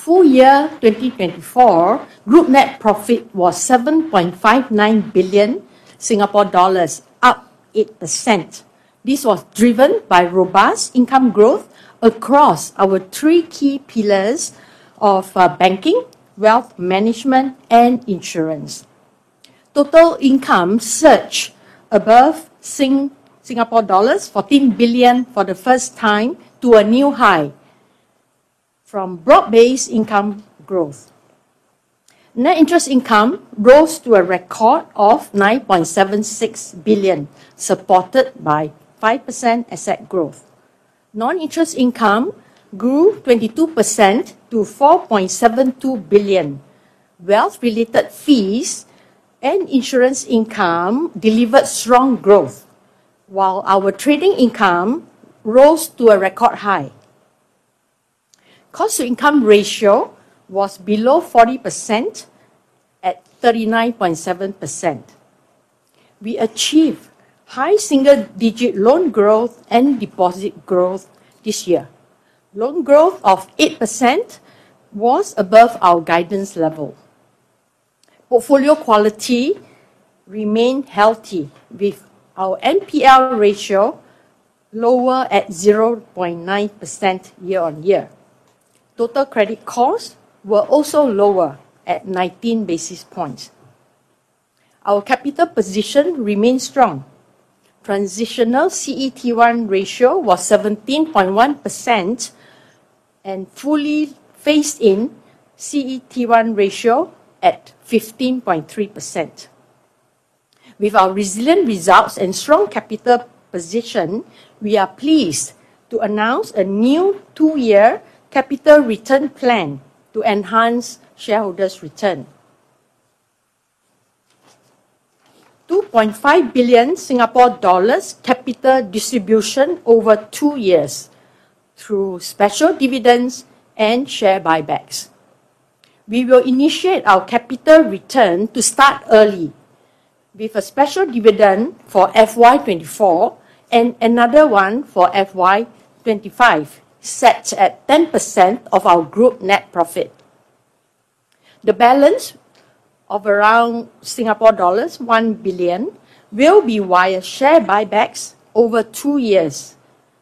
For year 2024, group net profit was 7.59 billion Singapore dollars, up 8%. This was driven by robust income growth across our three key pillars of banking, wealth management, and insurance. Total income surged above Singapore dollars 14 billion for the first time, to a new high from broad-based income growth. Net interest income rose to a record of 9.76 billion, supported by 5% asset growth. Non-interest income grew 22% to 4.72 billion. Wealth-related fees and insurance income delivered strong growth, while our trading income rose to a record high. Cost-to-income ratio was below 40% at 39.7%. We achieved high single-digit loan growth and deposit growth this year. Loan growth of 8% was above our guidance level. Portfolio quality remained healthy, with our NPL ratio lower at 0.9% YoY. Total credit costs were also lower at 19 basis points. Our capital position remained strong. Transitional CET1 ratio was 17.1%, and fully phased-in CET1 ratio at 15.3%. With our resilient results and strong capital position, we are pleased to announce a new two-year capital return plan to enhance shareholders' return. 2.5 billion Singapore dollars capital distribution over two years, through special dividends and share buybacks. We will initiate our capital return to start early, with a special dividend for FY 2024 and another one for FY 2025, set at 10% of our group net profit. The balance of around Singapore dollars 1 billion will be via share buybacks over two years,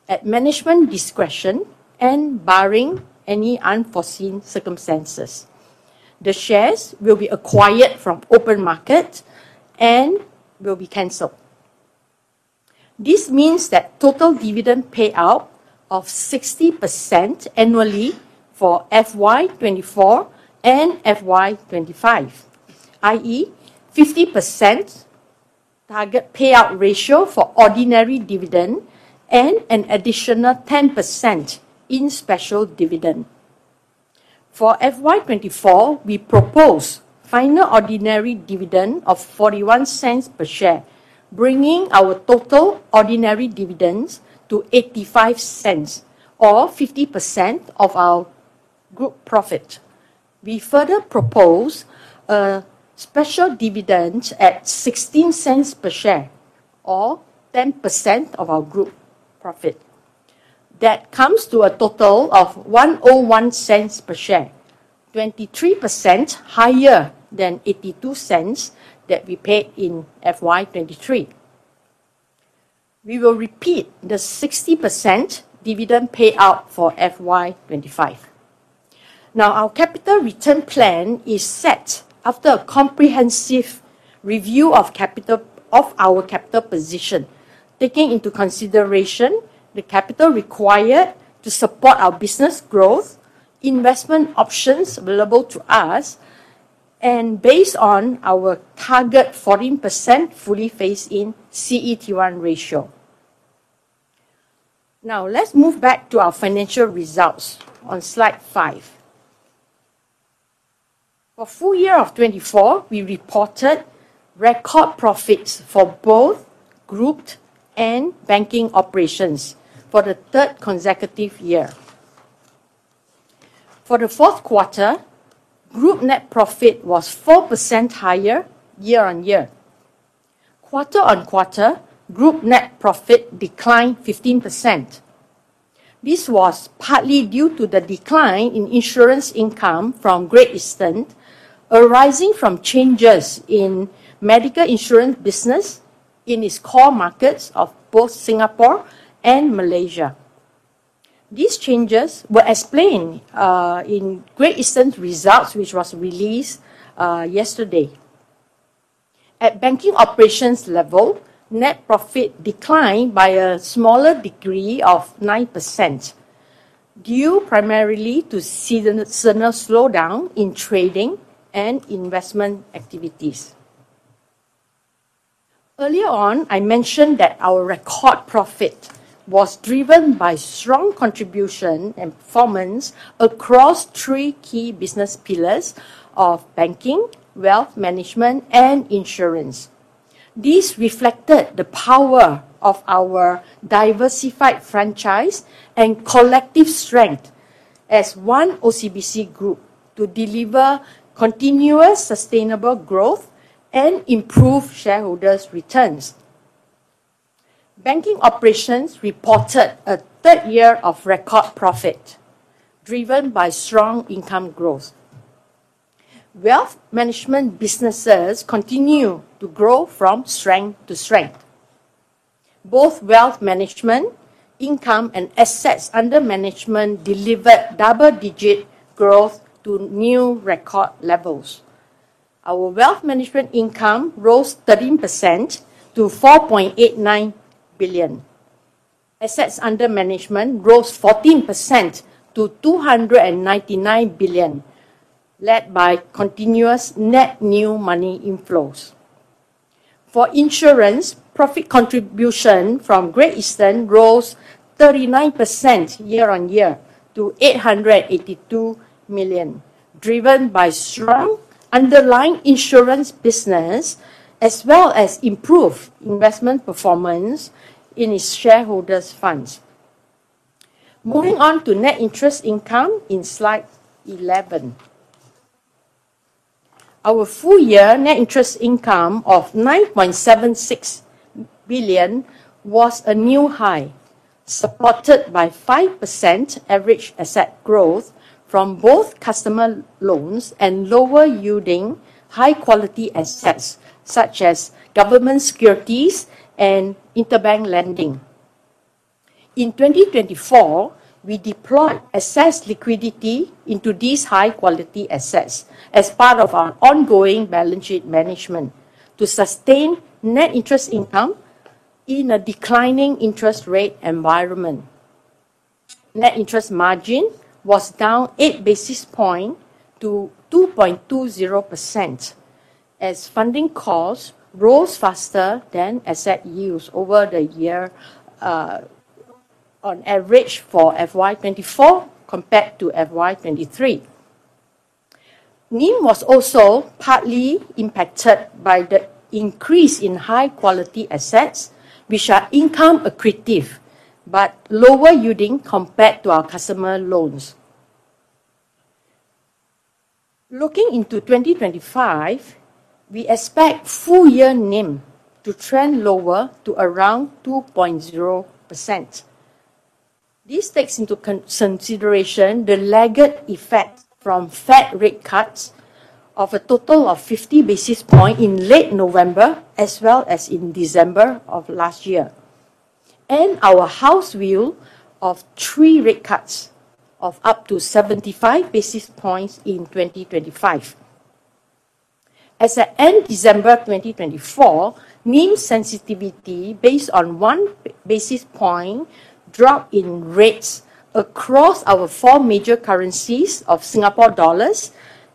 at management discretion and barring any unforeseen circumstances. The shares will be acquired from open market and will be cancelled. This means that total dividend payout of 60% annually for FY 2024 and FY 2025, i.e., 50% target payout ratio for ordinary dividend and an additional 10% in special dividend. For FY 2024, we propose final ordinary dividend of 0.41 per share, bringing our total ordinary dividends to 0.85, or 50% of our Group profit. We further propose a special dividend at 0.16 per share, or 10% of our Group profit. That comes to a total of 0.10 per share, 23% higher than 0.82 that we paid in FY 2023. We will repeat the 60% dividend payout for FY 2025. Now, our capital return plan is set after a comprehensive review of our capital position, taking into consideration the capital required to support our business growth, investment options available to us, and based on our target 14% fully phased-in CET1 ratio. Now, let's move back to our financial results on slide 5. For full year of 2024, we reported record profits for both Group and banking operations for the third consecutive year. For the fourth quarter, group net profit was 4% higher year-on-year. Quarter on quarter, group net profit declined 15%. This was partly due to the decline in insurance income from Great Eastern, arising from changes in medical insurance business in its core markets of both Singapore and Malaysia. These changes were explained in Great Eastern's results, which were released yesterday. At banking operations level, net profit declined by a smaller degree of 9%, due primarily to seasonal slowdown in trading and investment activities. Earlier on, I mentioned that our record profit was driven by strong contribution and performance across three key business pillars of banking, wealth management, and insurance. This reflected the power of our diversified franchise and collective strength as one OCBC Group to deliver continuous sustainable growth and improve shareholders' returns. Banking operations reported a third year of record profit, driven by strong income growth. Wealth management businesses continue to grow from strength to strength. Both wealth management income and assets under management delivered double-digit growth to new record levels. Our wealth management income rose 13% to 4.89 billion. Assets under management rose 14% to 299 billion, led by continuous net new money inflows. For insurance, profit contribution from Great Eastern rose 39% year-on-year to 882 million, driven by strong underlying insurance business, as well as improved investment performance in its shareholders' funds. Moving on to net interest income in slide 11. Our full year net interest income of 9.76 billion was a new high, supported by 5% average asset growth from both customer loans and lower-yielding, high-quality assets such as government securities and interbank lending. In 2024, we deployed excess liquidity into these high-quality assets as part of our ongoing balance sheet management to sustain net interest income in a declining interest rate environment. Net interest margin was down 8 basis points to 2.20%, as funding costs rose faster than asset yields over the year, on average for FY 2024 compared to FY 2023. NIM was also partly impacted by the increase in high-quality assets, which are income-accretive but lower-yielding compared to our customer loans. Looking into 2025, we expect full year NIM to trend lower to around 2.0%. This takes into consideration the lag effect from Fed rate cuts of a total of 50 basis points in late November, as well as in December of last year, and our house view of three rate cuts of up to 75 basis points in 2025. As at end December 2024, NIM sensitivity based on one basis point drop in rates across our four major currencies of SGD,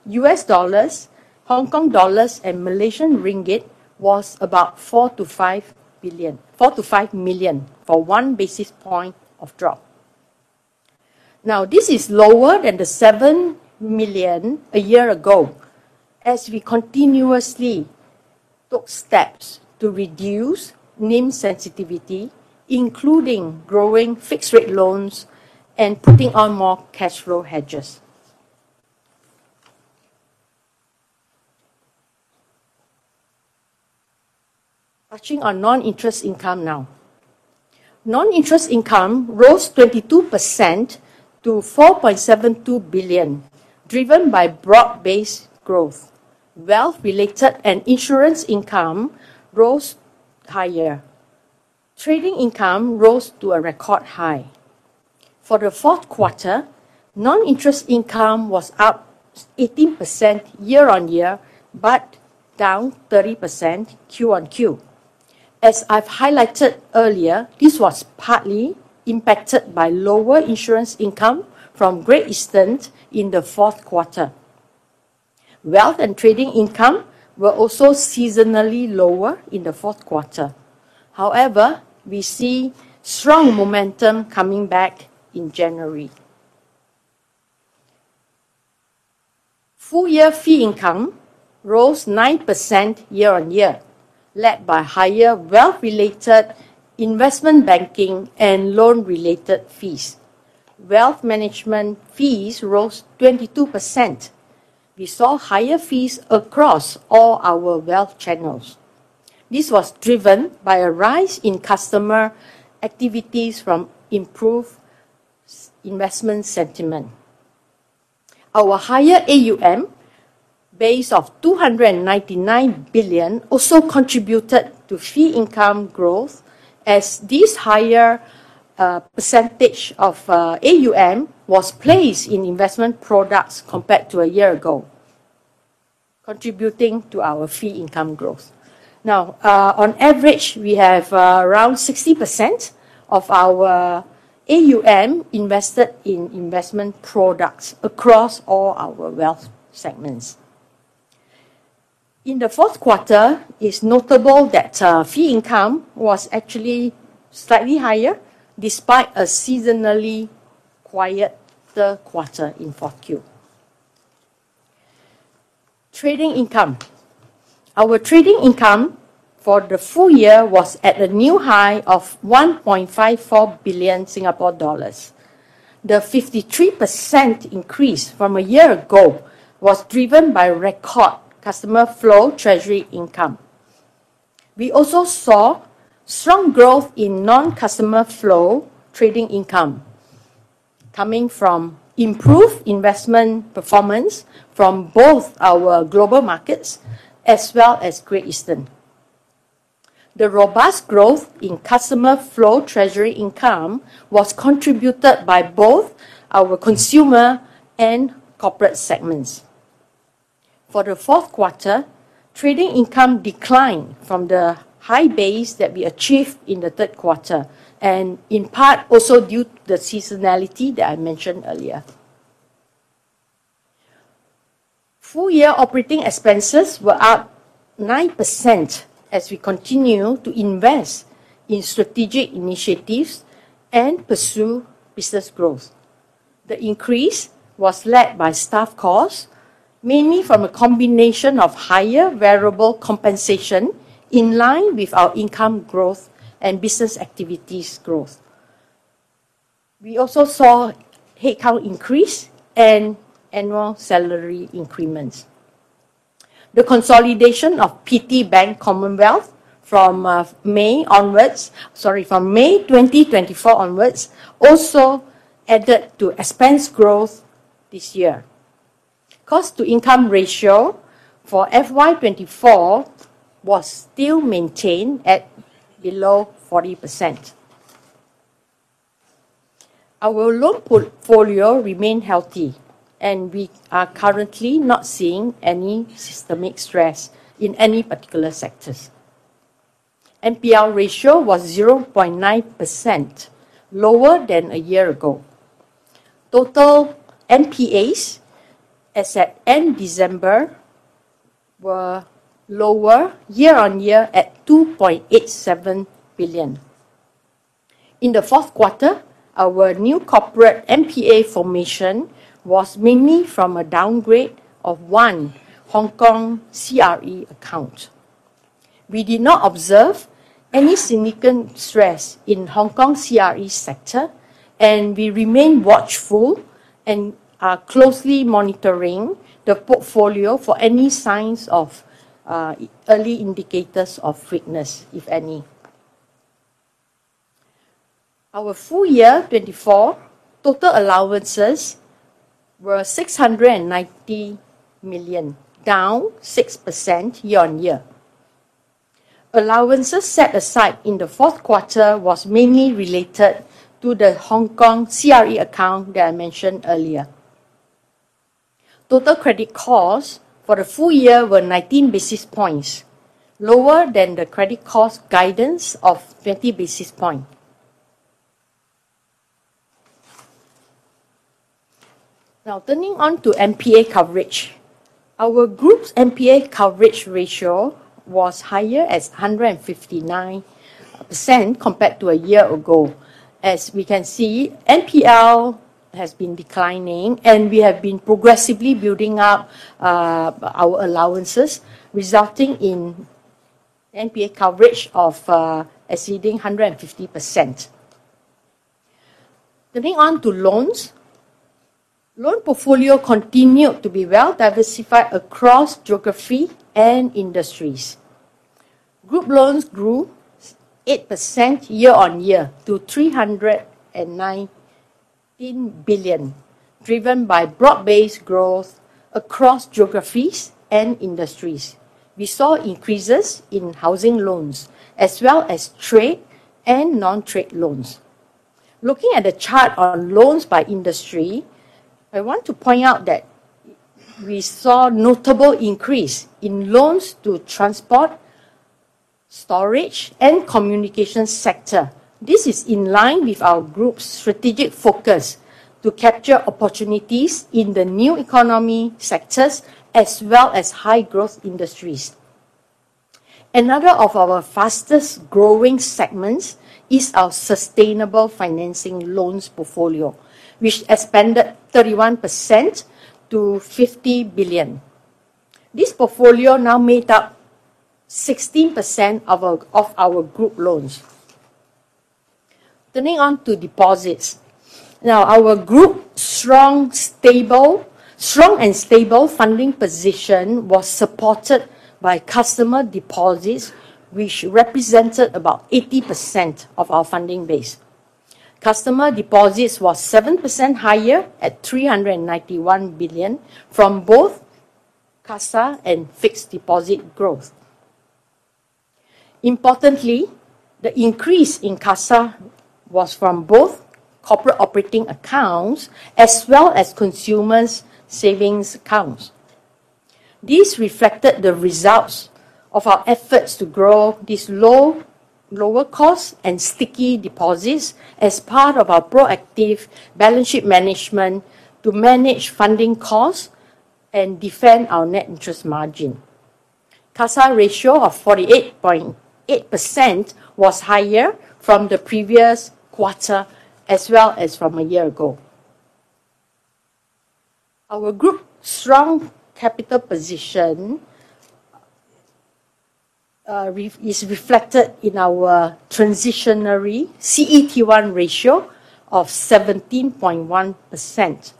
USD, HKD, and MYR was about 4.5 million for one basis point of drop. Now, this is lower than the 7 million a year ago, as we continuously took steps to reduce NIM sensitivity, including growing fixed-rate loans and putting on more cash flow hedges. Touching on non-interest income now. Non-interest income rose 22% to 4.72 billion, driven by broad-based growth. Wealth-related and insurance income rose higher. Trading income rose to a record high. For the fourth quarter, non-interest income was up 18% YoY but down 30% QoQ. As I've highlighted earlier, this was partly impacted by lower insurance income from Great Eastern in the fourth quarter. Wealth and trading income were also seasonally lower in the fourth quarter. However, we see strong momentum coming back in January. Full year fee income rose 9% YoY, led by higher wealth-related, investment banking, and loan-related fees. Wealth management fees rose 22%. We saw higher fees across all our wealth channels. This was driven by a rise in customer activities from improved investment sentiment. Our higher AUM base of 299 billion also contributed to fee income growth, as this higher percentage of AUM was placed in investment products compared to a year ago, contributing to our fee income growth. Now, on average, we have around 60% of our AUM invested in investment products across all our wealth segments. In the fourth quarter, it is notable that fee income was actually slightly higher, despite a seasonally quieter quarter in fourth Q. Trading income. Our trading income for the full year was at a new high of 1.54 billion Singapore dollars. The 53% increase from a year ago was driven by record customer flow treasury income. We also saw strong growth in non-customer flow trading income, coming from improved investment performance from both our Global Markets as well as Great Eastern. The robust growth in customer flow treasury income was contributed by both our consumer and corporate segments. For the fourth quarter, trading income declined from the high base that we achieved in the third quarter, and in part also due to the seasonality that I mentioned earlier. Full year operating expenses were up 9% as we continue to invest in strategic initiatives and pursue business growth. The increase was led by staff costs, mainly from a combination of higher variable compensation in line with our income growth and business activities growth. We also saw headcount increase and annual salary increments. The consolidation of PT Bank Commonwealth from May onwards, sorry, from May 2024 onwards, also added to expense growth this year. Cost-to-income ratio for FY 2024 was still maintained at below 40%. Our loan portfolio remained healthy, and we are currently not seeing any systemic stress in any particular sectors. NPL ratio was 0.9%, lower than a year ago. Total NPAs as at end December were lower year-on-year at 2.87 billion. In the fourth quarter, our new corporate NPA formation was mainly from a downgrade of one Hong Kong CRE account. We did not observe any significant stress in Hong Kong CRE sector, and we remain watchful and are closely monitoring the portfolio for any signs of early indicators of weakness, if any. Our full year 2024 total allowances were 690 million, down 6% YoY. Allowances set aside in the fourth quarter were mainly related to the Hong Kong CRE account that I mentioned earlier. Total credit costs for the full year were 19 basis points, lower than the credit cost guidance of 20 basis points. Now, turning to NPA coverage. Our group's NPA coverage ratio was higher at 159% compared to a year ago. As we can see, NPL has been declining, and we have been progressively building up our allowances, resulting in NPA coverage of exceeding 150%. Turning on to loans, loan portfolio continued to be well diversified across geography and industries. Group loans grew 8% year-on-year to 319 billion, driven by broad-based growth across geographies and industries. We saw increases in housing loans, as well as trade and non-trade loans. Looking at the chart on loans by industry, I want to point out that we saw a notable increase in loans to transport, storage, and communication sectors. This is in line with our group's strategic focus to capture opportunities in the new economy sectors, as well as high-growth industries. Another of our fastest-growing segments is our sustainable financing loans portfolio, which expanded 31% to 50 billion. This portfolio now made up 16% of our group loans. Turning on to deposits. Now, our group's strong and stable funding position was supported by customer deposits, which represented about 80% of our funding base. Customer deposits were 7% higher at 391 billion from both cash and fixed deposit growth. Importantly, the increase in cash was from both corporate operating accounts as well as consumer savings accounts. This reflected the results of our efforts to grow these lower-cost and sticky deposits as part of our proactive balance sheet management to manage funding costs and defend our net interest margin. Cash ratio of 48.8% was higher than the previous quarter, as well as than a year ago. Our group's strong capital position is reflected in our transitional CET1 ratio of 17.1%,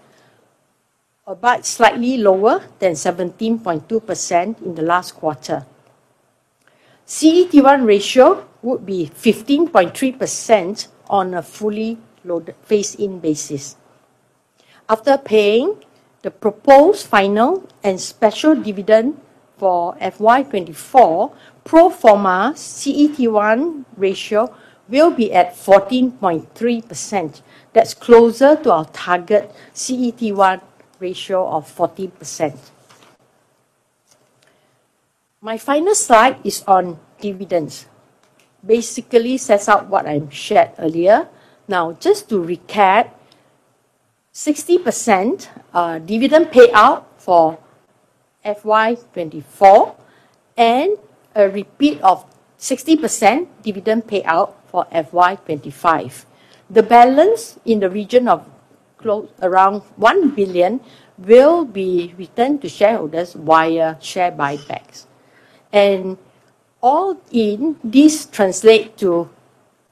but slightly lower than 17.2% in the last quarter. CET1 ratio would be 15.3% on a fully loaded phase-in basis. After paying the proposed final and special dividend for FY 2024, pro forma CET1 ratio will be at 14.3%. That's closer to our target CET1 ratio of 14%. My final slide is on dividends. Basically, it sets out what I've shared earlier. Now, just to recap, 60% dividend payout for FY 2024 and a repeat of 60% dividend payout for FY 2025. The balance in the region of around 1 billion will be returned to shareholders via share buybacks. All in, this translates to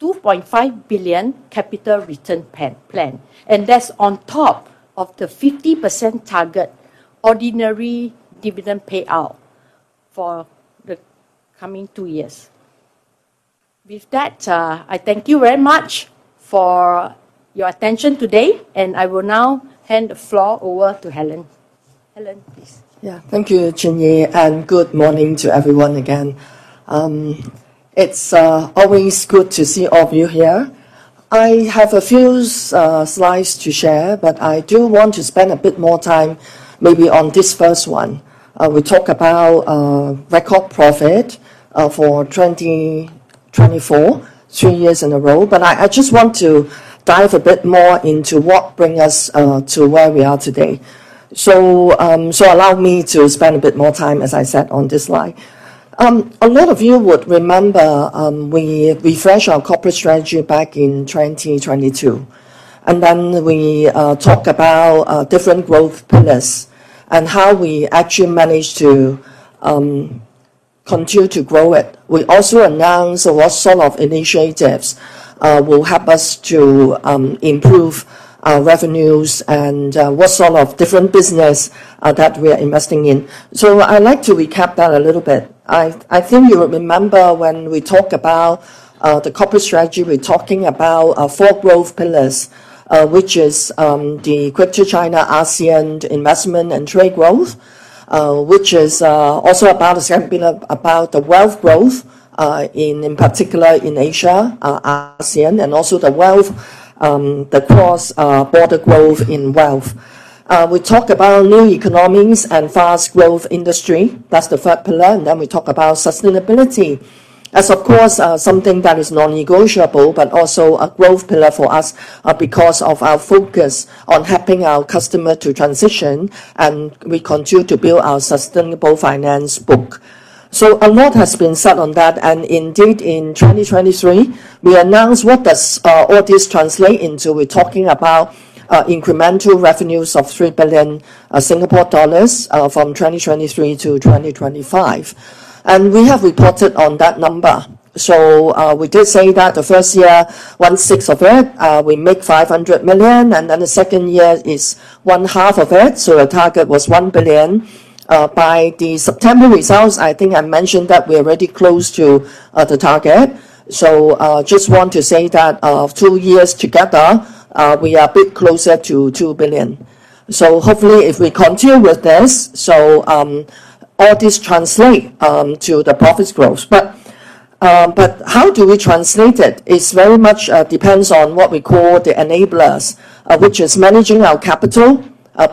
2.5 billion capital return plan. That's on top of the 50% target ordinary dividend payout for the coming two years. With that, I thank you very much for your attention today, and I will now hand the floor over to Helen. Helen, please. Yeah, thank you, Chin Yee, and good morning to everyone again. It's always good to see all of you here. I have a few slides to share, but I do want to spend a bit more time maybe on this first one. We talk about record profit for 2024, three years in a row, but I just want to dive a bit more into what brings us to where we are today. So allow me to spend a bit more time, as I said, on this slide. A lot of you would remember we refreshed our corporate strategy back in 2022, and then we talked about different growth pillars and how we actually managed to continue to grow it. We also announced what sort of initiatives will help us to improve our revenues and what sort of different business that we are investing in. So I'd like to recap that a little bit. I think you will remember when we talked about the corporate strategy. We're talking about four growth pillars, which are the Greater China-ASEAN investment and trade growth, which is also about the wealth growth, in particular in Asia-ASEAN, and also the wealth, the cross-border growth in wealth. We talked about new economies and fast-growth industry. That's the third pillar, and then we talked about sustainability, as of course, something that is non-negotiable, but also a growth pillar for us because of our focus on helping our customers to transition, and we continue to build our sustainable finance book, so a lot has been said on that, and indeed, in 2023, we announced what all this translates into. We're talking about incremental revenues of S$3 billion from 2023 to 2025. And we have reported on that number. So we did say that the first year, one-sixth of it, we make 500 million, and then the second year is one-half of it. So the target was 1 billion. By the September results, I think I mentioned that we're already close to the target. So I just want to say that two years together, we are a bit closer to 2 billion. So hopefully, if we continue with this, all this translates to the profits growth. But how do we translate it? It very much depends on what we call the enablers, which is managing our capital,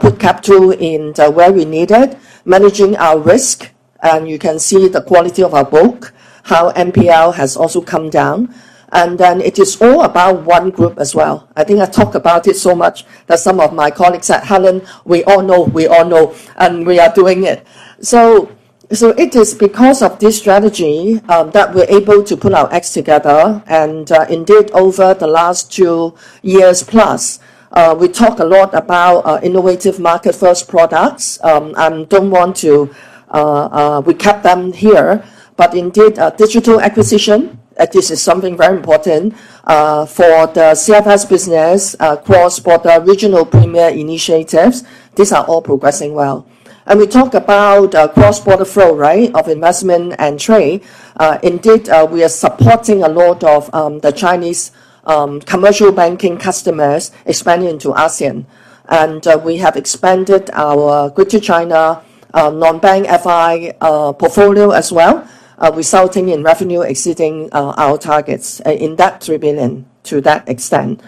putting capital in where we need it, managing our risk. And you can see the quality of our book, how NPL has also come down. And then it is all about One Group as well. I think I talked about it so much that some of my colleagues said, "Helen, we all know, we all know, and we are doing it." So it is because of this strategy that we're able to put our eggs together. And indeed, over the last two years plus, we talked a lot about innovative market-first products. I don't want to recap them here, but indeed, digital acquisition, this is something very important for the CFS business, cross-border regional premier initiatives. These are all progressing well. And we talked about cross-border flow, right, of investment and trade. Indeed, we are supporting a lot of the Chinese commercial banking customers expanding into ASEAN. And we have expanded our Greater China non-bank FI portfolio as well, resulting in revenue exceeding our targets in that 3 billion to that extent.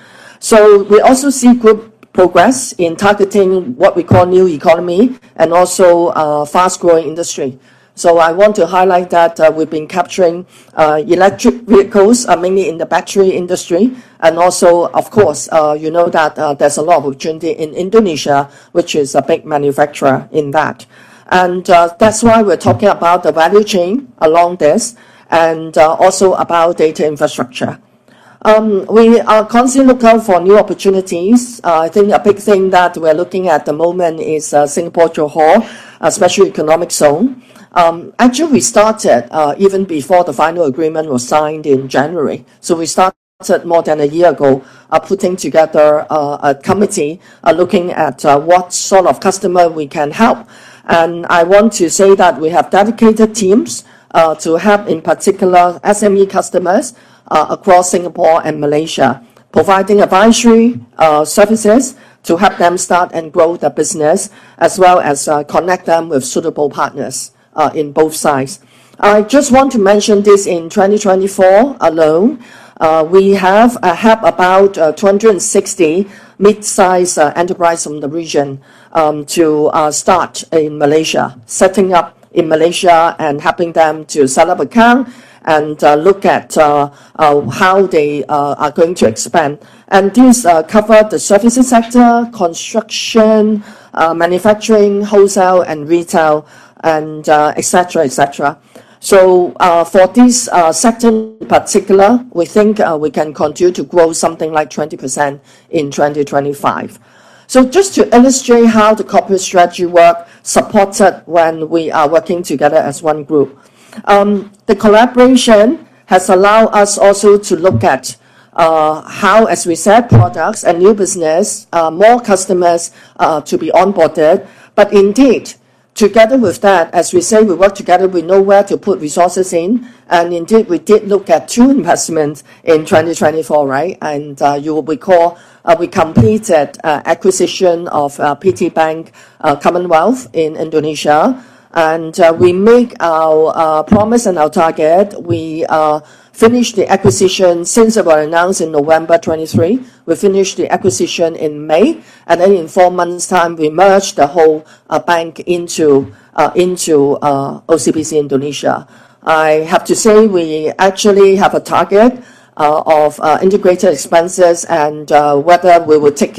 We also see group progress in targeting what we call new economy and also fast-growing industry. So I want to highlight that we've been capturing electric vehicles, mainly in the battery industry. And also, of course, you know that there's a lot of opportunity in Indonesia, which is a big manufacturer in that. And that's why we're talking about the value chain along this and also about data infrastructure. We are constantly looking for new opportunities. I think a big thing that we're looking at at the moment is Singapore-Johor Special Economic Zone. Actually, we started even before the final agreement was signed in January. We started more than a year ago putting together a committee looking at what sort of customer we can help. And I want to say that we have dedicated teams to help, in particular, SME customers across Singapore and Malaysia, providing advisory services to help them start and grow their business, as well as connect them with suitable partners on both sides. I just want to mention this: in 2024 alone, we have about 260 mid-sized enterprises from the region to start in Malaysia, setting up in Malaysia and helping them to set up accounts and look at how they are going to expand. And these cover the services sector, construction, manufacturing, wholesale, and retail, etc., etc. So for this sector in particular, we think we can continue to grow something like 20% in 2025. So just to illustrate how the corporate strategy works, supported when we are working together as One Group, the collaboration has allowed us also to look at how, as we said, products and new business, more customers to be onboarded. But indeed, together with that, as we say, we work together, we know where to put resources in. And indeed, we did look at two investments in 2024, right? And you will recall we completed acquisition of PT Bank Commonwealth in Indonesia. And we made our promise and our target. We finished the acquisition since our announcement in November 2023. We finished the acquisition in May. And then in four months' time, we merged the whole bank into OCBC Indonesia. I have to say we actually have a target of integrated expenses and whether we will take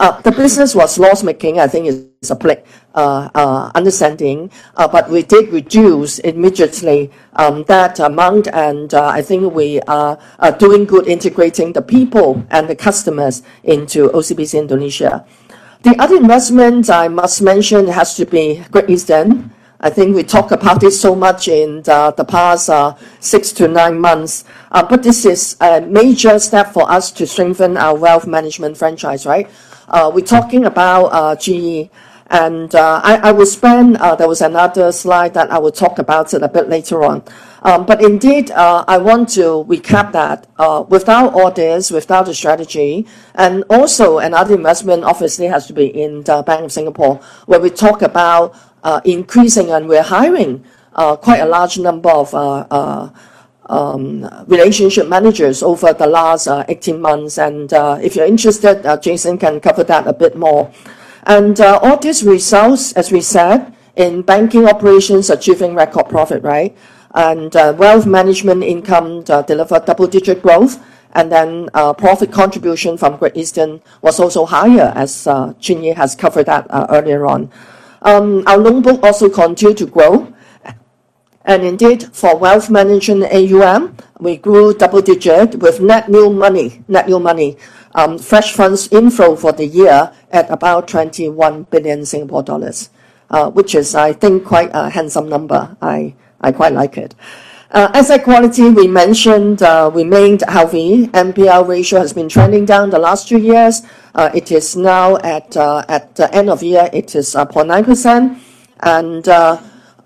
in the business was loss-making. I think it's a blunt understanding, but we did reduce immediately that amount. And I think we are doing good integrating the people and the customers into OCBC Indonesia. The other investment I must mention has to be Great Eastern. I think we talked about this so much in the past six-to-nine months, but this is a major step for us to strengthen our wealth management franchise, right? We're talking about GE, and I will spend. There was another slide that I will talk about a bit later on. But indeed, I want to recap that without all this, without the strategy. And also, another investment obviously has to be in the Bank of Singapore, where we talked about increasing, and we're hiring quite a large number of relationship managers over the last 18 months. And if you're interested, Jason can cover that a bit more. And all these results, as we said, in banking operations achieving record profit, right? And wealth management income delivered double-digit growth, and then profit contribution from Great Eastern was also higher, Chin Yee has covered that earlier on. Our loan book also continued to grow. And indeed, for wealth management in AUM, we grew double-digit with net new money, net new money, fresh funds inflow for the year at about 21 billion Singapore dollars, which is, I think, quite a handsome number. I quite like it. Asset quality, we mentioned, remained healthy. NPL ratio has been trending down the last two years. It is now at the end of the year; it is 0.9%. Chin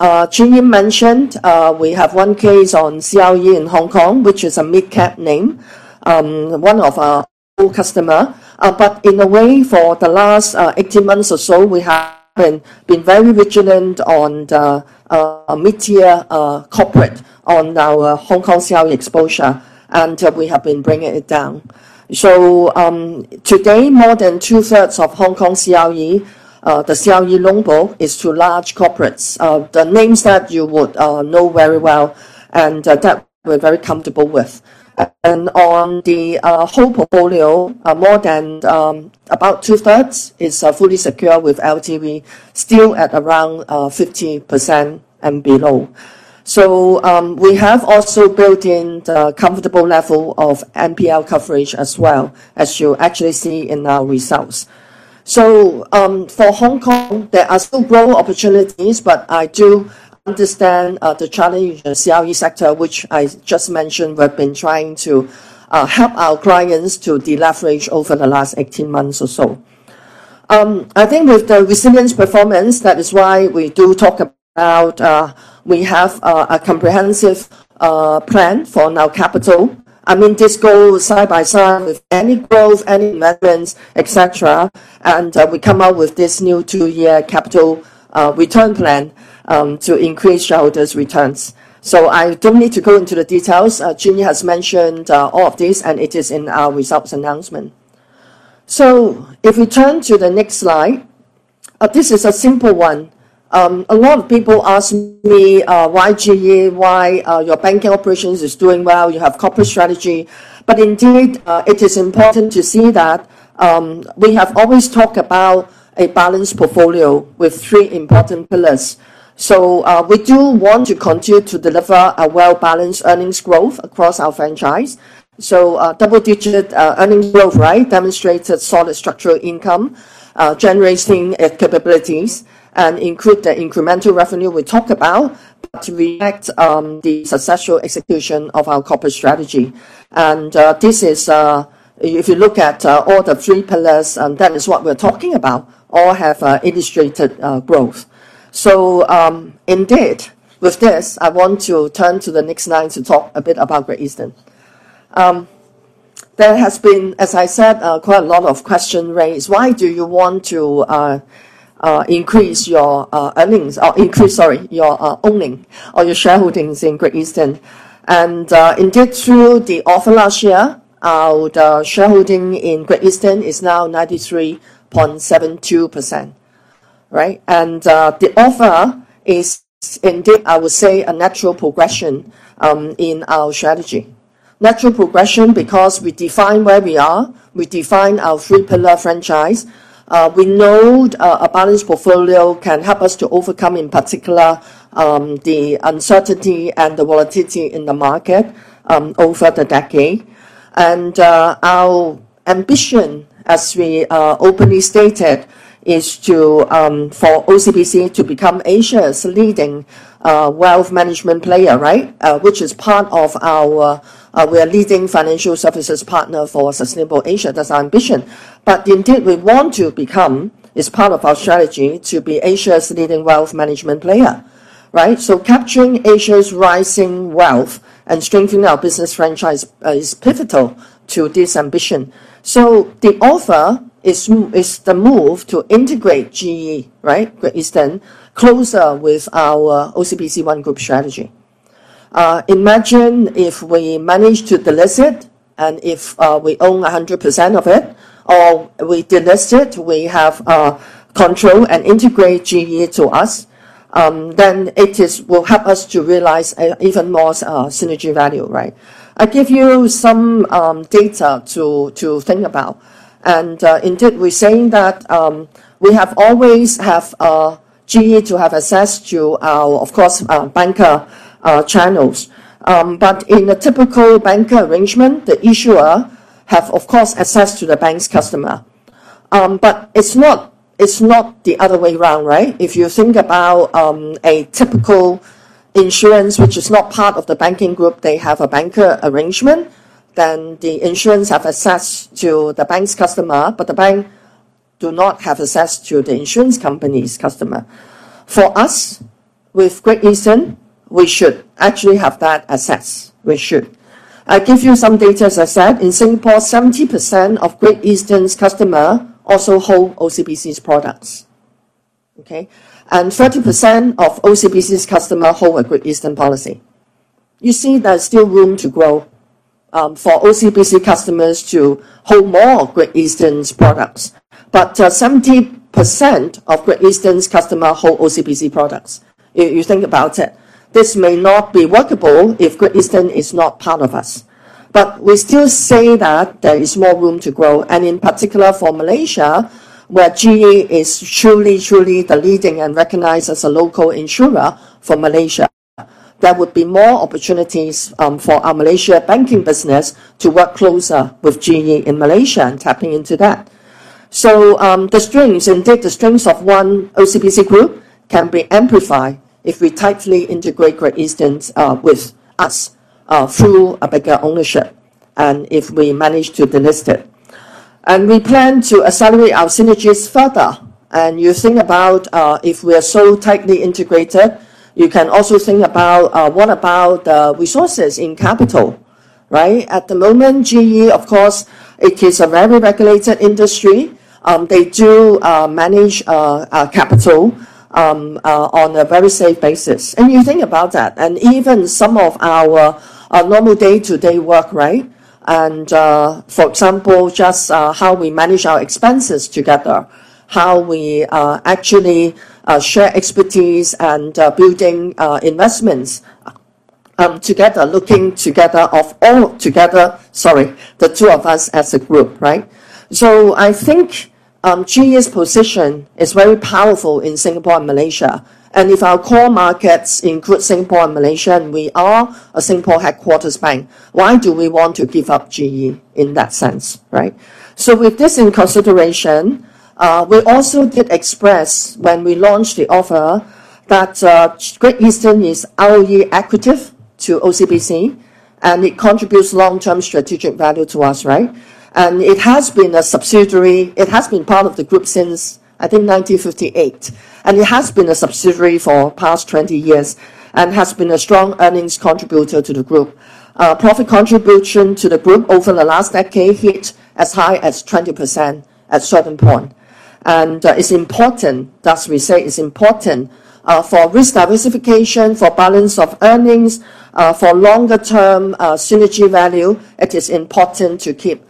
Yee mentioned we have one case on CRE in Hong Kong, which is a mid-cap name, one of our customers. But in a way, for the last 18 months or so, we have been very vigilant on the mid-tier corporate on our Hong Kong CRE exposure, and we have been bringing it down. So today, more than 2/3 of Hong Kong CRE, the CRE loan book, is to large corporates, the names that you would know very well, and that we're very comfortable with. And on the whole portfolio, more than about 2/3 is fully secure with LTV, still at around 50% and below. So we have also built in the comfortable level of NPL coverage as well, as you actually see in our results. So for Hong Kong, there are still growth opportunities, but I do understand the challenge. CRE sector, which I just mentioned, we've been trying to help our clients to deleverage over the last 18 months or so. I think with the resilience performance, that is why we do talk about we have a comprehensive plan for our capital. I mean, this goes side by side with any growth, any investments, etc., and we come up with this new two-year capital return plan to increase shareholders' returns, so I don't need to go into the Chin Yee has mentioned all of this, and it is in our results announcement, so if we turn to the next slide, this is a simple one. A lot of people ask me why GE, why your banking operations is doing well, you have corporate strategy, but indeed, it is important to see that we have always talked about a balanced portfolio with three important pillars, so we do want to continue to deliver a well-balanced earnings growth across our franchise. So double-digit earnings growth, right, demonstrates solid structural income, generating capabilities, and include the incremental revenue we talked about to react to the successful execution of our corporate strategy. And if you look at all the three pillars, that is what we're talking about, all have illustrated growth. So indeed, with this, I want to turn to the next slide to talk a bit about Great Eastern. There has been, as I said, quite a lot of questions raised. Why do you want to increase your earnings or increase, sorry, your owning or your shareholdings in Great Eastern? And indeed, through the offer last year, our shareholding in Great Eastern is now 93.72%, right? And the offer is indeed, I would say, a natural progression in our strategy. Natural progression because we define where we are. We define our three-pillar franchise. We know a balanced portfolio can help us to overcome, in particular, the uncertainty and the volatility in the market over the decade, and our ambition, as we openly stated, is for OCBC to become Asia's leading wealth management player, right, which is part of our we are leading financial services partner for Sustainable Asia. That's our ambition, but indeed we want to become, as part of our strategy, to be Asia's leading wealth management player, right, so capturing Asia's rising wealth and strengthening our business franchise is pivotal to this ambition, so the offer is the move to integrate GE, right, Great Eastern, closer with our OCBC One Group strategy. Imagine if we manage to delist it and if we own 100% of it, or we delist it, we have control and integrate GE to us, then it will help us to realize even more synergy value, right? I give you some data to think about. And indeed, we're saying that we have always had GE to have access to our, of course, bancassurance channels. But in a typical bancassurance arrangement, the issuer has, of course, access to the bank's customer. But it's not the other way around, right? If you think about a typical insurer, which is not part of the banking group, they have a bancassurance arrangement, then the insurer has access to the bank's customer, but the bank does not have access to the insurance company's customer. For us, with Great Eastern, we should actually have that access. We should. I give you some data, as I said. In Singapore, 70% of Great Eastern's customers also hold OCBC's products, okay? And 30% of OCBC's customers hold a Great Eastern policy. You see there's still room to grow for OCBC customers to hold more Great Eastern's products. But 70% of Great Eastern's customers hold OCBC products. You think about it. This may not be workable if Great Eastern is not part of us. But we still say that there is more room to grow. And in particular, for Malaysia, where GE is truly, truly the leading and recognized as a local insurer for Malaysia, there would be more opportunities for our Malaysia banking business to work closer with GE in Malaysia and tapping into that. So the strengths, indeed, the strengths of one OCBC group can be amplified if we tightly integrate Great Eastern with us through a bigger ownership and if we manage to delist it. And we plan to accelerate our synergies further. And you think about if we are so tightly integrated. You can also think about what about the resources in capital, right? At the moment, GE, of course, it is a very regulated industry. They do manage capital on a very safe basis. And you think about that. And even some of our normal day-to-day work, right? And for example, just how we manage our expenses together, how we actually share expertise and building investments together, looking together of all together, sorry, the two of us as a group, right? So I think GE's position is very powerful in Singapore and Malaysia. And if our core markets include Singapore and Malaysia, and we are a Singapore headquarters bank, why do we want to give up GE in that sense, right? So with this in consideration, we also did express when we launched the offer that Great Eastern is equity to OCBC, and it contributes long-term strategic value to us, right? And it has been a subsidiary. It has been part of the group since, I think, 1958. And it has been a subsidiary for the past 20 years and has been a strong earnings contributor to the group. Profit contribution to the group over the last decade hit as high as 20% at a certain point. And it's important, thus we say, it's important for risk diversification, for balance of earnings, for longer-term synergy value. It is important to keep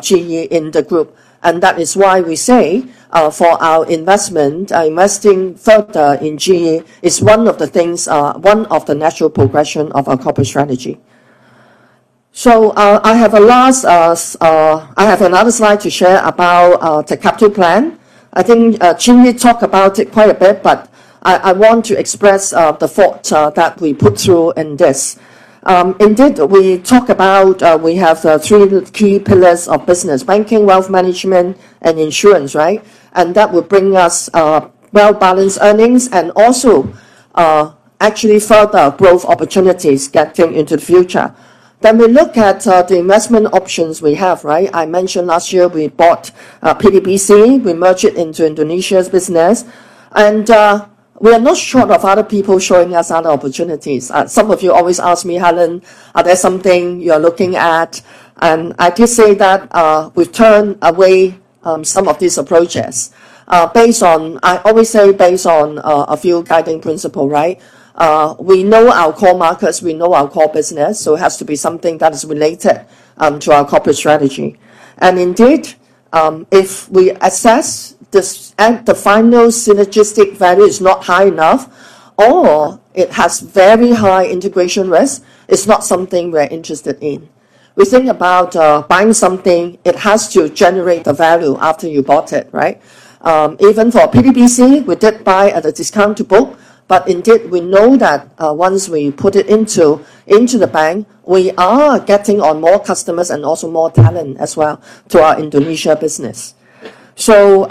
GE in the group. And that is why we say for our investment, investing further in GE is one of the things, one of the natural progressions of our corporate strategy. So, I have at last another slide to share about the capital plan. think Chin Yee talked about it quite a bit, but I want to express the thought that we put through in this. Indeed, we talked about we have three key pillars of business: banking, wealth management, and insurance, right? And that will bring us well-balanced earnings and also actually further growth opportunities getting into the future. Then we look at the investment options we have, right? I mentioned last year we bought PT Bank Commonwealth; we merged it into Indonesia's business. And we are not short of other people showing us other opportunities. Some of you always ask me, "Helen, are there some things you're looking at?" And I did say that we've turned away some of these approaches based on, I always say, based on a few guiding principles, right? We know our core markets. We know our core business, so it has to be something that is related to our corporate strategy, and indeed, if we assess the final synergistic value is not high enough or it has very high integration risk, it's not something we're interested in. We think about buying something. It has to generate the value after you bought it, right? Even for PT Bank Commonwealth, we did buy at a discounted book, but indeed, we know that once we put it into the bank, we are getting on more customers and also more talent as well to our Indonesia business, so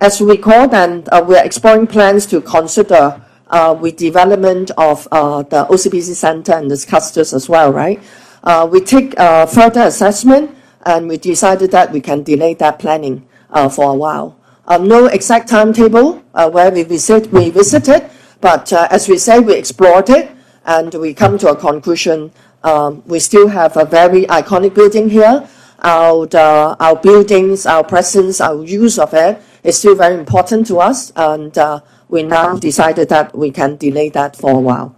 as we recall, then we're exploring plans to consider the development of the OCBC Centre and its customers as well, right? We took further assessment, and we decided that we can delay that planning for a while. No exact timetable where we visited, but as we say, we explored it, and we come to a conclusion. We still have a very iconic building here. Our buildings, our presence, our use of it is still very important to us, and we now decided that we can delay that for a while.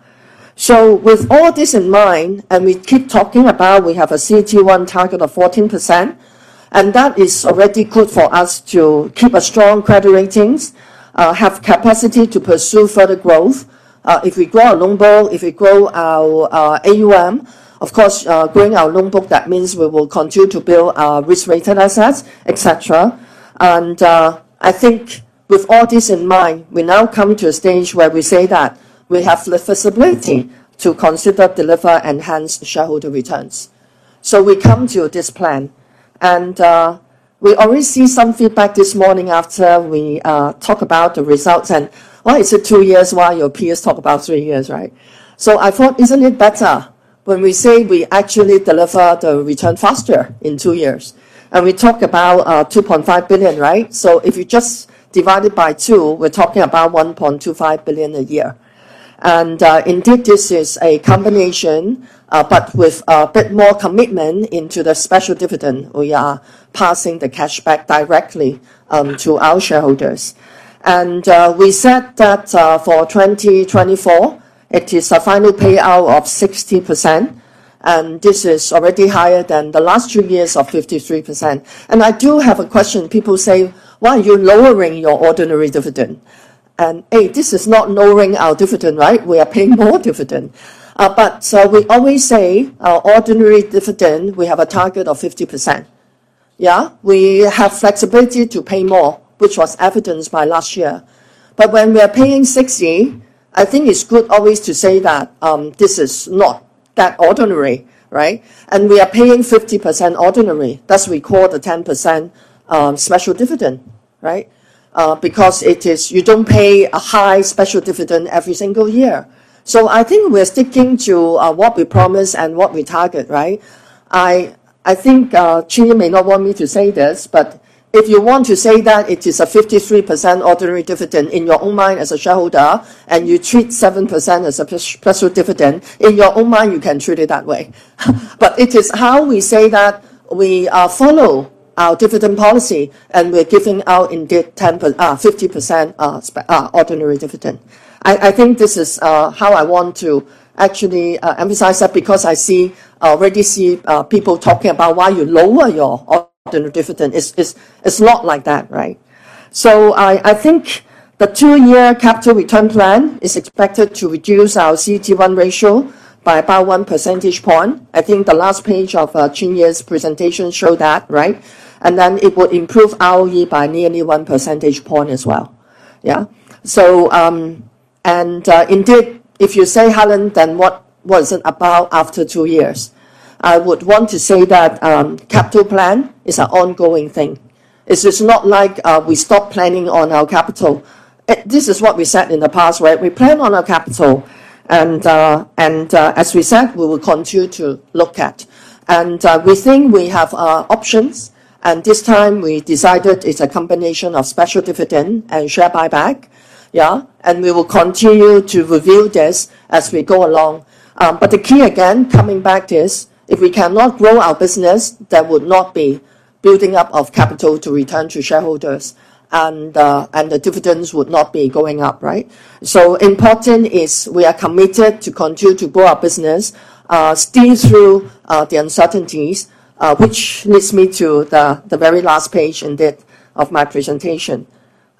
So with all this in mind, and we keep talking about we have a CET1 target of 14%, and that is already good for us to keep a strong credit ratings, have capacity to pursue further growth. If we grow our loan book, if we grow our AUM, of course, growing our loan book, that means we will continue to build our risk-weighted assets, etc. And I think with all this in mind, we now come to a stage where we say that we have the flexibility to consider, deliver, and enhance shareholder returns. We come to this plan. We already see some feedback this morning after we talk about the results. Why is it two years while your peers talk about three years, right? I thought, isn't it better when we say we actually deliver the return faster in two years? We talked about 2.5 billion, right? If you just divide it by two, we're talking about 1.25 billion a year. Indeed, this is a combination, but with a bit more commitment into the special dividend. We are passing the cash back directly to our shareholders. We said that for 2024, it is a final payout of 60%, and this is already higher than the last two years of 53%. I do have a question. People say, "Why are you lowering your ordinary dividend?" Hey, this is not lowering our dividend, right? We are paying more dividend. But we always say our ordinary dividend, we have a target of 50%. Yeah? We have flexibility to pay more, which was evidenced by last year. But when we are paying 60%, I think it's good always to say that this is not that ordinary, right? And we are paying 50% ordinary. That's what we call the 10% special dividend, right? Because it is you don't pay a high special dividend every single year. So I think we're sticking to what we promise and what we target, right? I think Chin Yee may not want me to say this, but if you want to say that it is a 53% ordinary dividend in your own mind as a shareholder, and you treat 7% as a special dividend, in your own mind, you can treat it that way. But it is how we say that we follow our dividend policy, and we're giving out, indeed, 50% ordinary dividend. I think this is how I want to actually emphasize that because I already see people talking about why you lower your ordinary dividend. It's not like that, right? So I think the two-year capital return plan is expected to reduce our CET1 ratio by about one percentage point. I think the last page Chin Yee's presentation showed that, right? And then it will improve ROE by nearly one percentage point as well. Yeah? And indeed, if you say, "Helen, then what is it about after two years?" I would want to say that capital plan is an ongoing thing. It's just not like we stop planning on our capital. This is what we said in the past, right? We plan on our capital, and as we said, we will continue to look at. And we think we have options, and this time we decided it's a combination of special dividend and share buyback. Yeah? And we will continue to review this as we go along. But the key, again, coming back to this, if we cannot grow our business, there would not be building up of capital to return to shareholders, and the dividends would not be going up, right? So important is we are committed to continue to grow our business, steer through the uncertainties, which leads me to the very last page, indeed, of my presentation.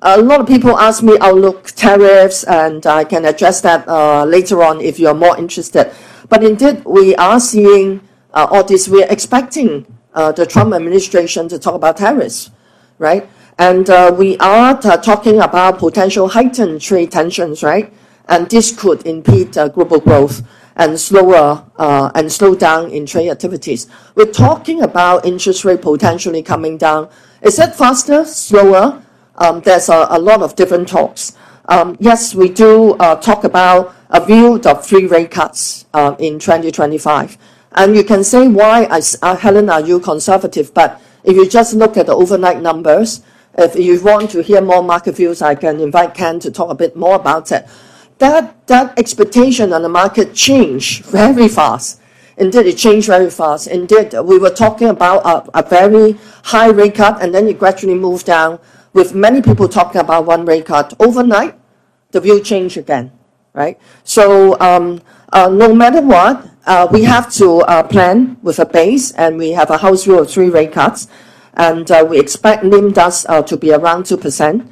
A lot of people ask me outlook tariffs, and I can address that later on if you're more interested. But indeed, we are seeing all this. We are expecting the Trump administration to talk about tariffs, right? We are talking about potential heightened trade tensions, right? And this could impede global growth and slow down in trade activities. We're talking about interest rate potentially coming down. Is it faster, slower? There's a lot of different talks. Yes, we do talk about a view of three rate cuts in 2025. And you can say, "Why, Helen, are you conservative?" But if you just look at the overnight numbers, if you want to hear more market views, I can invite Ken to talk a bit more about it. That expectation on the market changed very fast. Indeed, it changed very fast. Indeed, we were talking about a very high rate cut, and then it gradually moved down with many people talking about one rate cut. Overnight, the view changed again, right? No matter what, we have to plan with a base, and we have a base case of three rate cuts, and we expect NIM to be around 2%.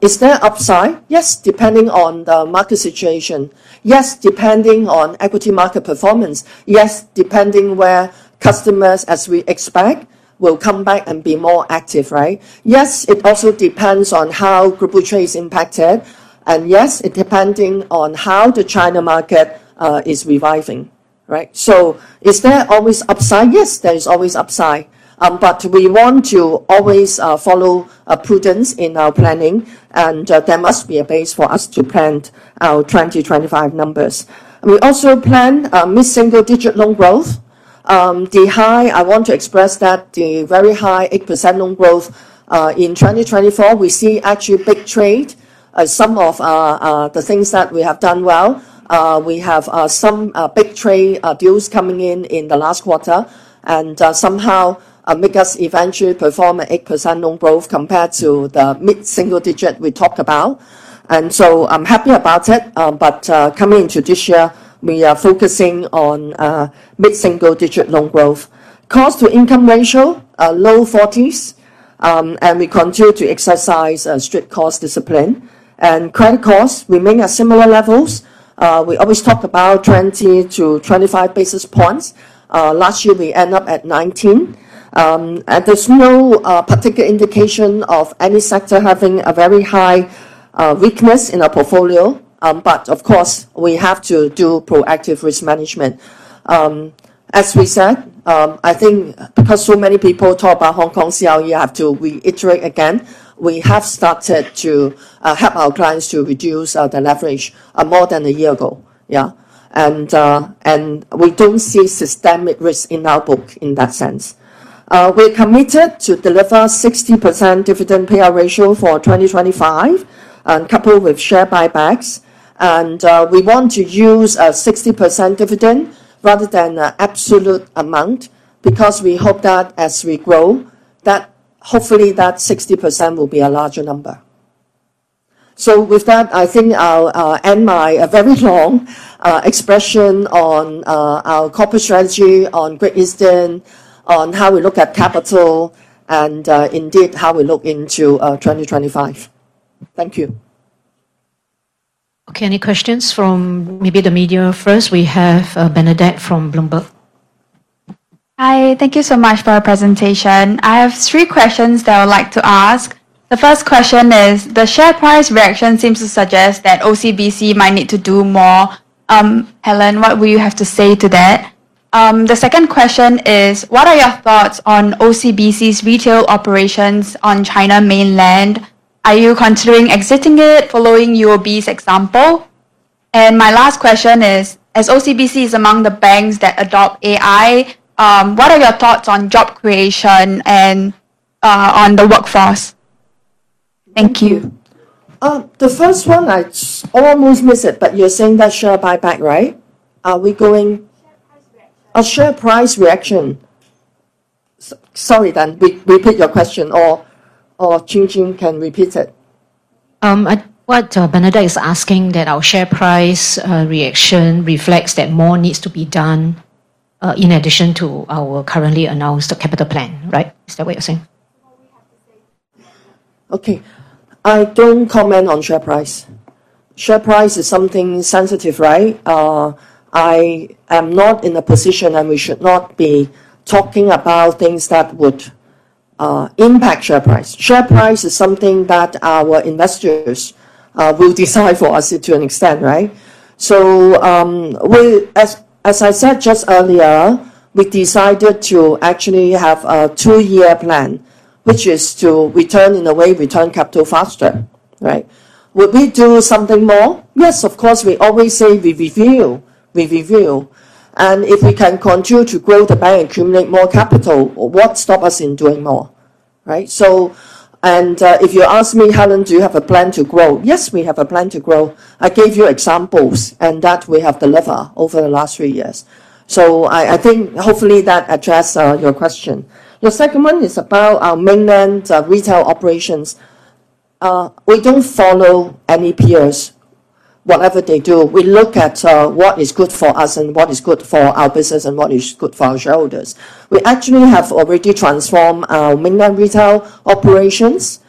Is there upside? Yes, depending on the market situation. Yes, depending on equity market performance. Yes, depending where customers, as we expect, will come back and be more active, right? Yes, it also depends on how global trade is impacted. And yes, it's depending on how the China market is reviving, right? So is there always upside? Yes, there is always upside. But we want to always follow prudence in our planning, and there must be a base for us to plan our 2025 numbers. We also plan mid-single-digit loan growth. The high, I want to express that the very high 8% loan growth in 2024, we see actually big trade. Some of the things that we have done well, we have some big trade deals coming in in the last quarter, and somehow make us eventually perform an 8% loan growth compared to the mid-single-digit we talked about. So I'm happy about it, but coming into this year, we are focusing on mid-single-digit loan growth. Cost-to-income ratio, low 40s, and we continue to exercise a strict cost discipline. Credit costs remain at similar levels. We always talk about 20 to 25 basis points. Last year, we ended up at 19. There's no particular indication of any sector having a very high weakness in our portfolio. But of course, we have to do proactive risk management. As we said, I think because so many people talk about Hong Kong, CRE, I have to reiterate again, we have started to help our clients to reduce the leverage more than a year ago. Yeah? And we don't see systemic risk in our book in that sense. We're committed to deliver 60% dividend payout ratio for 2025, coupled with share buybacks. And we want to use a 60% dividend rather than an absolute amount because we hope that as we grow, that hopefully that 60% will be a larger number. So with that, I think I'll end my very long expression on our corporate strategy on Great Eastern, on how we look at capital, and indeed how we look into 2025. Thank you. Okay, any questions from maybe the media first? We have Bernadette from Bloomberg. Hi, thank you so much for our presentation. I have three questions that I would like to ask. The first question is, the share price reaction seems to suggest that OCBC might need to do more. Helen, what will you have to say to that? The second question is, what are your thoughts on OCBC's retail operations on mainland China? Are you considering exiting it following UOB's example? And my last question is, as OCBC is among the banks that adopt AI, what are your thoughts on job creation and on the workforce? Thank you. The first one, I almost missed it, but you're saying that share buyback, right? Are we going? Share price reaction. A share price reaction. Sorry, then. Repeat your question or Chin Yee can repeat it. What Bernadette is asking, that our share price reaction reflects that more needs to be done in addition to our currently announced capital plan, right? Is that what you're saying? Okay. I don't comment on share price. Share price is something sensitive, right? I am not in a position, and we should not be talking about things that would impact share price. Share price is something that our investors will decide for us to an extent, right? So as I said just earlier, we decided to actually have a two-year plan, which is to return in a way, return capital faster, right? Would we do something more? Yes, of course. We always say we review. We review. And if we can continue to grow the bank and accumulate more capital, what stops us in doing more, right? And if you ask me, "Helen, do you have a plan to grow?" Yes, we have a plan to grow. I gave you examples and that we have delivered over the last three years. I think hopefully that addressed your question. The second one is about our mainland retail operations. We don't follow any peers, whatever they do. We look at what is good for us and what is good for our business and what is good for our shareholders. We actually have already transformed our mainland retail operations.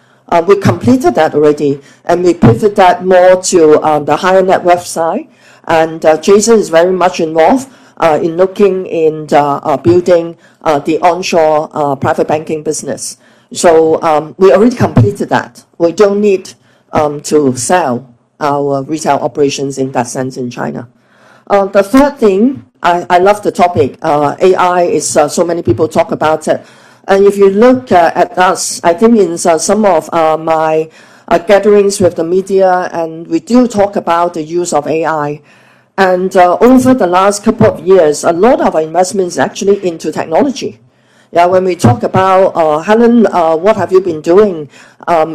We completed that already, and we pivoted that more to the higher net worth. Jason is very much involved in looking into building the onshore private banking business. We already completed that. We don't need to sell our retail operations in that sense in China. The third thing, I love the topic. AI, so many people talk about it. If you look at us, I think in some of my gatherings with the media, and we do talk about the use of AI. Over the last couple of years, a lot of our investment is actually into technology. Yeah? When we talk about, "Helen, what have you been doing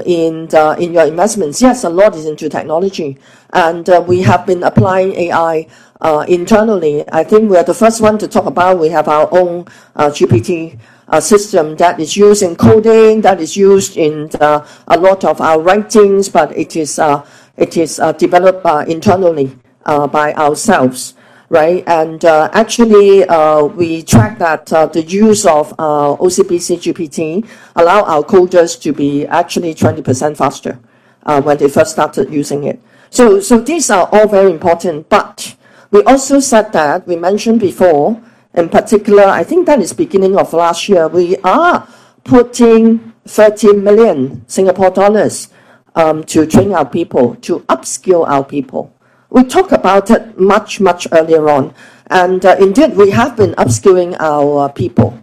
in your investments?" Yes, a lot is into technology. We have been applying AI internally. I think we are the first one to talk about we have our own GPT system that is used in coding, that is used in a lot of our writings, but it is developed internally by ourselves, right? Actually, we track that the use of OCBC GPT allows our coders to be actually 20% faster when they first started using it. These are all very important, but we also said that we mentioned before. In particular, I think that is beginning of last year, we are putting 30 million Singapore dollars to train our people, to upskill our people. We talked about it much, much earlier on. And indeed, we have been upskilling our people.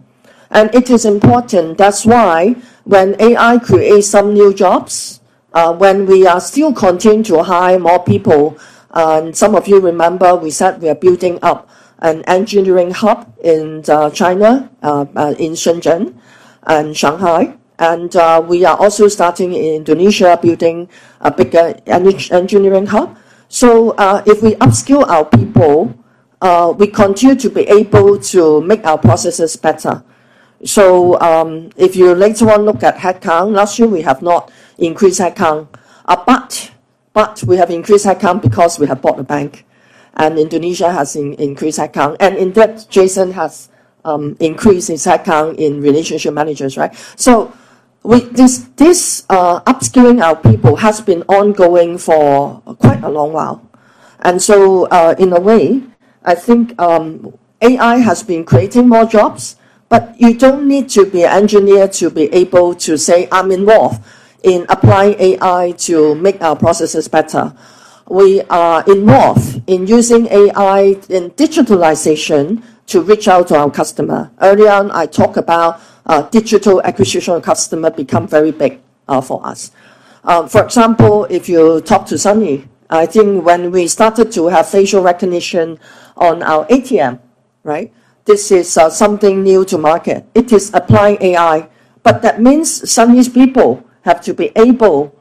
And it is important. That's why when AI creates some new jobs, when we are still continuing to hire more people, and some of you remember we said we are building up an engineering hub in China, in Shenzhen and Shanghai. And we are also starting in Indonesia building a bigger engineering hub. So if we upskill our people, we continue to be able to make our processes better. So if you later on look at headcount, last year we have not increased headcount. But we have increased headcount because we have bought the bank. And Indonesia has increased headcount. And indeed, Jason has increased his headcount in relationship managers, right? So this upskilling our people has been ongoing for quite a long while. And so in a way, I think AI has been creating more jobs, but you don't need to be an engineer to be able to say, "I'm involved in applying AI to make our processes better." We are involved in using AI in digitalization to reach out to our customer. Earlier on, I talked about digital acquisition of customers becoming very big for us. For example, if you talk to Sunny, I think when we started to have facial recognition on our ATM, right? This is something new to market. It is applying AI, but that means Sunny's people have to be able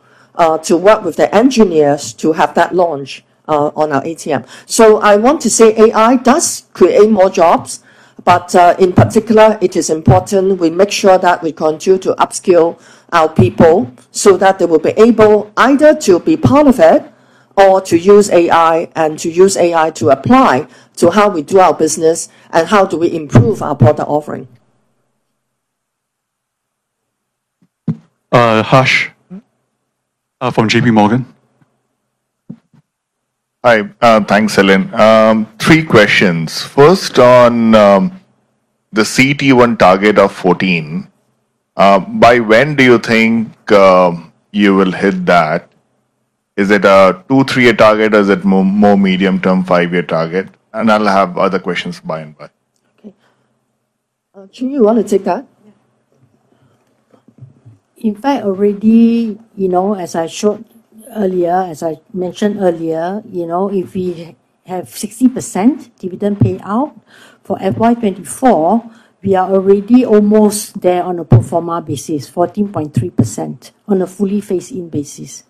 to work with the engineers to have that launch on our ATM. So I want to say AI does create more jobs, but in particular, it is important we make sure that we continue to upskill our people so that they will be able either to be part of it or to use AI and to use AI to apply to how we do our business and how do we improve our product offering. Harsh from J.P. Morgan. Hi. Thanks, Helen. Three questions. First, on the CET1 target of 14%, by when do you think you will hit that? Is it a two, three-year target? Is it more medium-term, five-year target? And I'll have other questions by and by. Okay. Chin Yee, you want to take that? In fact, already, as I showed earlier, as I mentioned earlier, if we have 60% dividend payout for FY 2024, we are already almost there on a pro forma basis, 14.3% on a fully phased-in basis.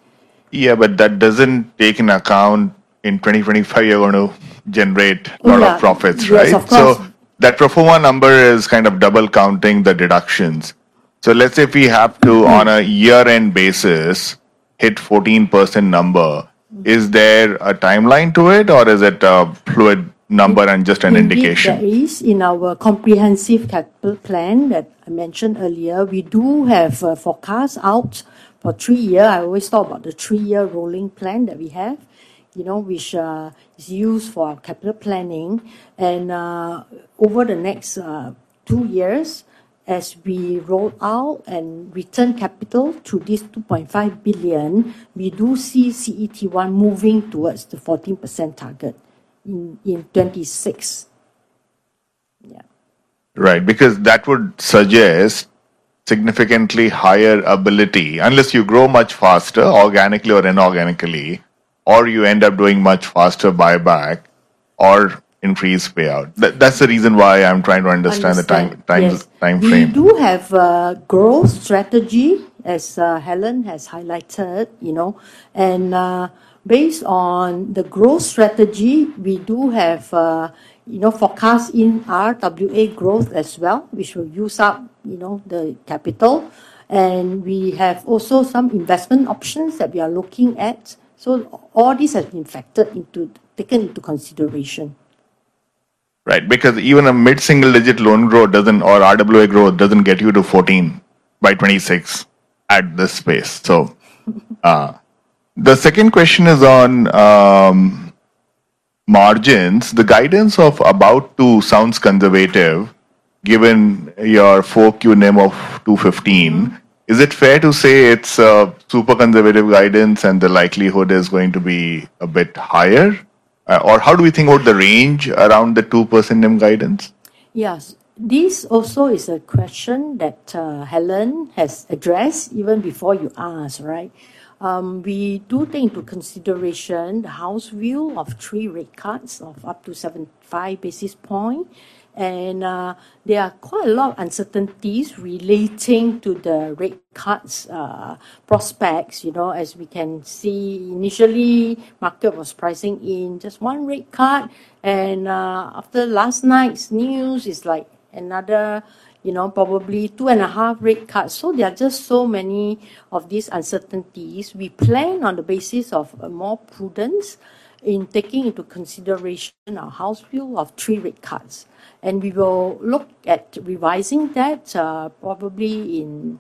Yeah, but that doesn't take into account in 2025 you're going to generate a lot of profits, right? So that pro forma number is kind of double counting the deductions. So let's say if we have to, on a year-end basis, hit a 14% number, is there a timeline to it or is it a fluid number and just an indication? There is in our comprehensive capital plan that I mentioned earlier. We do have forecasts out for three years. I always talk about the three-year rolling plan that we have, which is used for our capital planning. And over the next two years, as we roll out and return capital to this 2.5 billion, we do see CET1 moving towards the 14% target in 2026. Yeah. Right, because that would suggest significantly higher ability, unless you grow much faster, organically or inorganically, or you end up doing much faster buyback or increased payout. That's the reason why I'm trying to understand the time frame. We do have a growth strategy, as Helen has highlighted. And based on the growth strategy, we do have forecasts in our RWA growth as well, which will use up the capital. And we have also some investment options that we are looking at. So all this has been factored into taken into consideration. Right, because even a mid-single-digit loan growth or RWA growth doesn't get you to 14 by 26 at this pace. So the second question is on margins. The guidance of about two sounds conservative given your 4Q NIM of 215. Is it fair to say it's a super conservative guidance and the likelihood is going to be a bit higher? Or how do we think about the range around the 2% NIM guidance? Yes. This also is a question that Helen has addressed even before you asked, right? We do take into consideration the house view of three rate cuts of up to 75 basis points. And there are quite a lot of uncertainties relating to the rate cuts prospects. As we can see, initially, the market was pricing in just one rate cut. And after last night's news, it's like another probably two and a half rate cuts. So there are just so many of these uncertainties. We plan on the basis of more prudence in taking into consideration our house view of three rate cuts. We will look at revising that probably in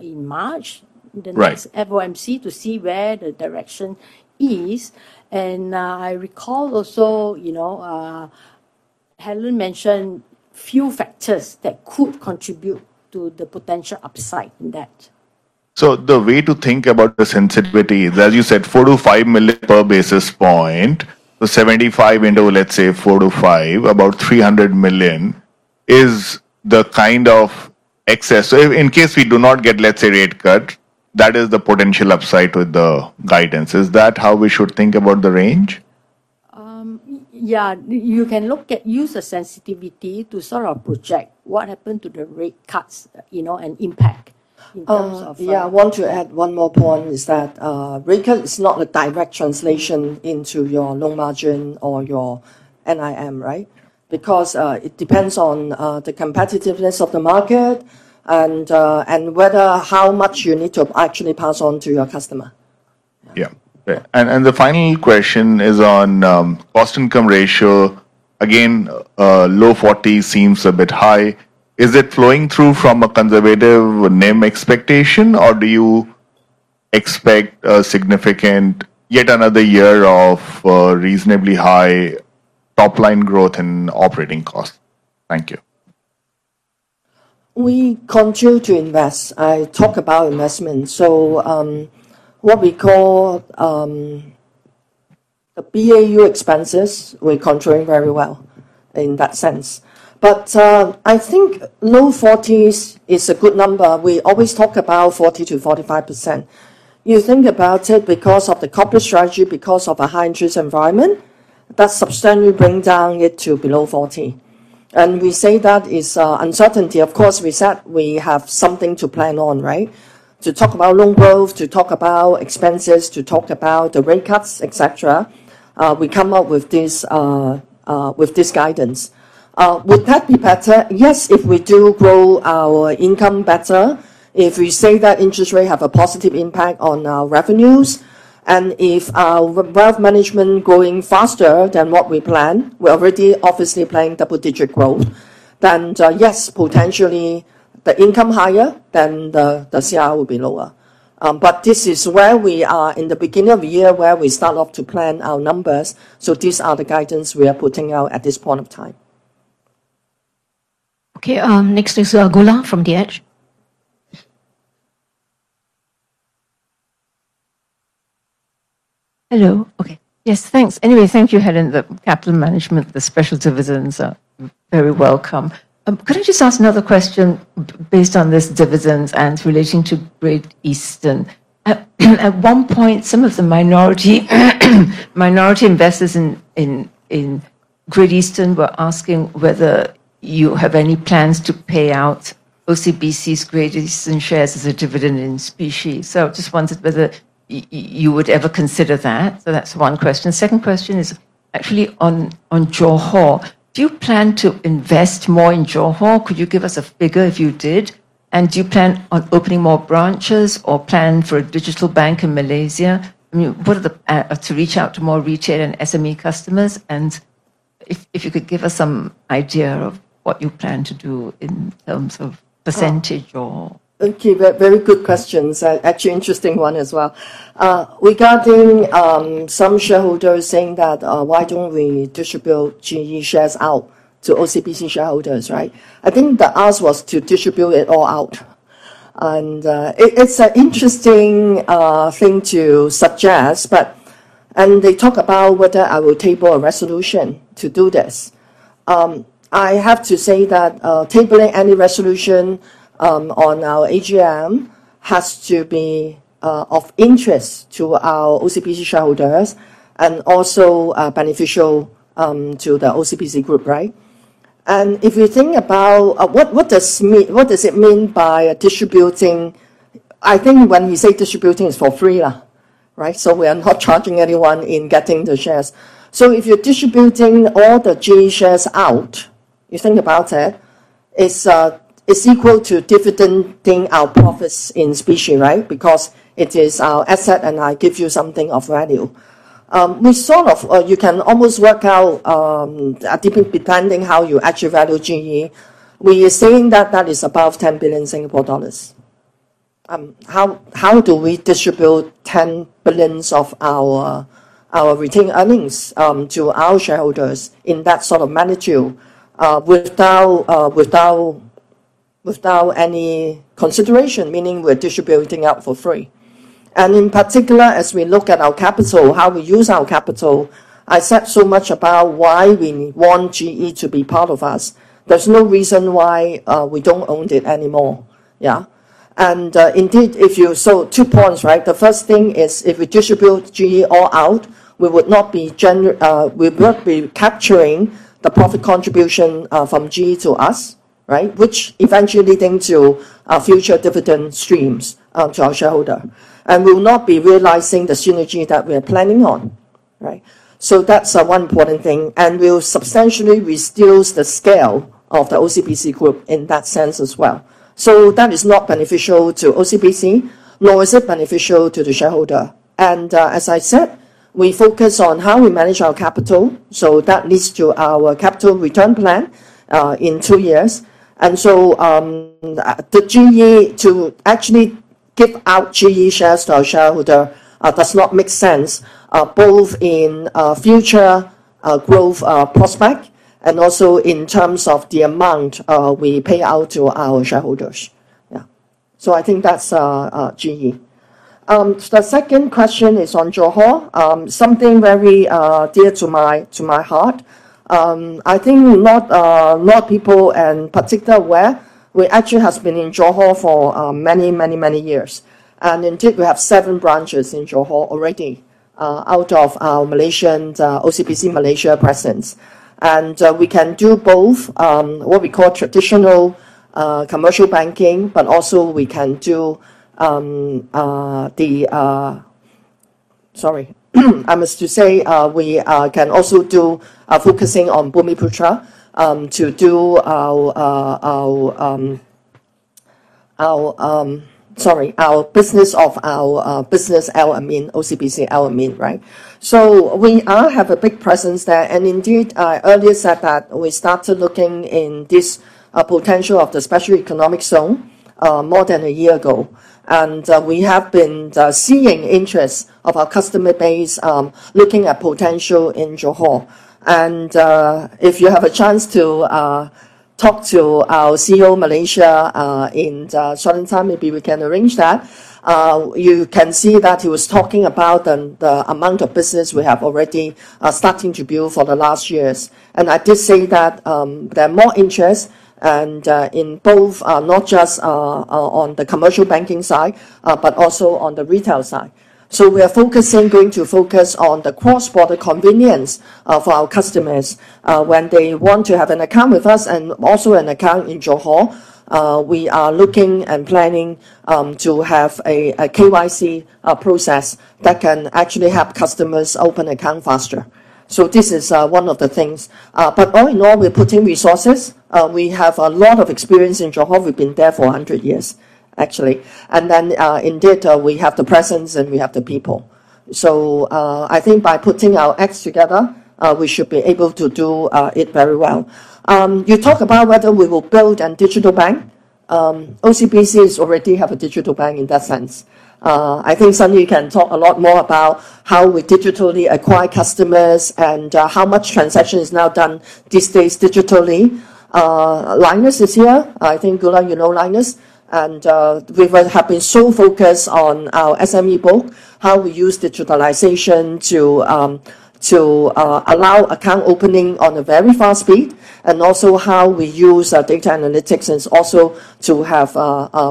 March, the next FOMC, to see where the direction is. I recall also Helen mentioned a few factors that could contribute to the potential upside in that. The way to think about the sensitivity is, as you said, 4 million-5 million per basis point, the 75 window. Let's say four to five, about 300 million is the kind of excess. In case we do not get, let's say, rate cut, that is the potential upside with the guidance. Is that how we should think about the range? Yeah, you can look at NIM sensitivity to sort of project what happened to the rate cuts and impact in terms of. Yeah, I want to add one more point is that rate cut is not a direct translation into your loan margin or your NIM, right? Because it depends on the competitiveness of the market and how much you need to actually pass on to your customer. Yeah. And the final question is on cost-income ratio. Again, low 40s seems a bit high. Is it flowing through from a conservative NIM expectation, or do you expect a significant yet another year of reasonably high top-line growth in operating costs? Thank you. We continue to invest. I talk about investment. So what we call the BAU expenses, we're controlling very well in that sense. But I think low 40s is a good number. We always talk about 40%-45%. You think about it because of the corporate strategy, because of a high-interest environment, that substantially brings it down to below 40%. And we say that is uncertainty. Of course, we said we have something to plan on, right? To talk about loan growth, to talk about expenses, to talk about the rate cuts, et cetera, we come up with this guidance. Would that be better? Yes, if we do grow our income better, if we say that interest rates have a positive impact on our revenues, and if our wealth management is growing faster than what we planned, we're already obviously planning double-digit growth, then yes, potentially the income is higher, then the CIR will be lower. But this is where we are in the beginning of the year where we start off to plan our numbers. So these are the guidance we are putting out at this point of time. Okay. Next is Goola from The Edge Singapore. Hello. Okay. Yes, thanks. Anyway, thank you, Helen, the capital management, the special dividends are very welcome. Could I just ask another question based on this dividends and relating to Great Eastern? At one point, some of the minority investors in Great Eastern were asking whether you have any plans to pay out OCBC's Great Eastern shares as a dividend in specie. So I just wondered whether you would ever consider that. So that's one question. Second question is actually on Johor. Do you plan to invest more in Johor? Could you give us a figure if you did? And do you plan on opening more branches or plan for a digital bank in Malaysia? I mean, what are the to reach out to more retail and SME customers? And if you could give us some idea of what you plan to do in terms of percentage or. Thank you. Very good questions. Actually, interesting one as well. Regarding some shareholders saying that, "Why don't we distribute GE shares out to OCBC shareholders?" Right? I think the ask was to distribute it all out, and it's an interesting thing to suggest. And they talk about whether I will table a resolution to do this. I have to say that tabling any resolution on our AGM has to be of interest to our OCBC shareholders and also beneficial to the OCBC group, right? And if you think about what does it mean by distributing, I think when we say distributing is for free, right? So we are not charging anyone in getting the shares. So if you're distributing all the GE shares out, you think about it, it's equal to dividending our profits in specie, right? Because it is our asset and I give you something of value. We sort of, you can almost work out depending how you actually value GE. We are saying that that is above 10 billion Singapore dollars. How do we distribute 10 billion of our retained earnings to our shareholders in that sort of magnitude without any consideration, meaning we're distributing out for free? And in particular, as we look at our capital, how we use our capital, I said so much about why we want GE to be part of us. There's no reason why we don't own it anymore. Yeah? And indeed, if you saw two points, right? The first thing is if we distribute GE all out, we would not be capturing the profit contribution from GE to us, right? Which eventually leads to future dividend streams to our shareholder. And we will not be realizing the synergy that we are planning on, right? So that's one important thing. And we will substantially reduce the scale of the OCBC group in that sense as well. So that is not beneficial to OCBC, nor is it beneficial to the shareholder. And as I said, we focus on how we manage our capital. So that leads to our capital return plan in two years. And so the GE to actually give out GE shares to our shareholder does not make sense both in future growth prospect and also in terms of the amount we pay out to our shareholders. Yeah. So I think that's GE. The second question is on Johor. Something very dear to my heart. I think a lot of people particularly aware we actually have been in Johor for many, many, many years. And indeed, we have seven branches in Johor already out of our Malaysian OCBC Malaysia presence. We can do both what we call traditional commercial banking, but also we can do the, sorry, I must say we can also do focusing on Bumiputera to do our business of our business Al-Amin, OCBC Al-Amin, right? So we have a big presence there. Indeed, I earlier said that we started looking in this potential of the special economic zone more than a year ago. We have been seeing interest of our customer base looking at potential in Johor. If you have a chance to talk to our CEO, Malaysia, in some time, maybe we can arrange that. You can see that he was talking about the amount of business we have already starting to build for the last years. I did say that there are more interests in both, not just on the commercial banking side, but also on the retail side. So we are focusing, going to focus on the cross-border convenience for our customers when they want to have an account with us and also an account in Johor. We are looking and planning to have a KYC process that can actually help customers open account faster. So this is one of the things. But all in all, we're putting resources. We have a lot of experience in Johor. We've been there for 100 years, actually. And then indeed, we have the presence and we have the people. So I think by putting our eggs together, we should be able to do it very well. You talk about whether we will build a digital bank. OCBC already has a digital bank in that sense. I think something you can talk a lot more about how we digitally acquire customers and how much transaction is now done these days digitally. Linus is here. I think Goola, you know Linus. And we have been so focused on our SME book, how we use digitalization to allow account opening on a very fast speed, and also how we use data analytics and also to have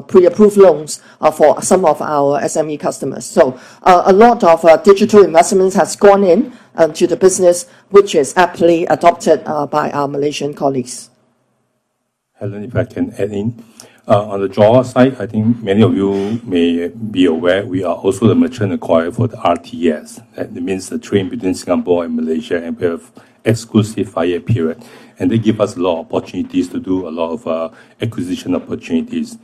pre-approved loans for some of our SME customers. So a lot of digital investments have gone into the business, which is aptly adopted by our Malaysian colleagues. Helen, if I can add in, on the Johor side, I think many of you may be aware, we are also the merchant acquirer for the RTS. That means the trade between Singapore and Malaysia, and we have exclusive five-year period. And they give us a lot of opportunities to do a lot of acquisition opportunities.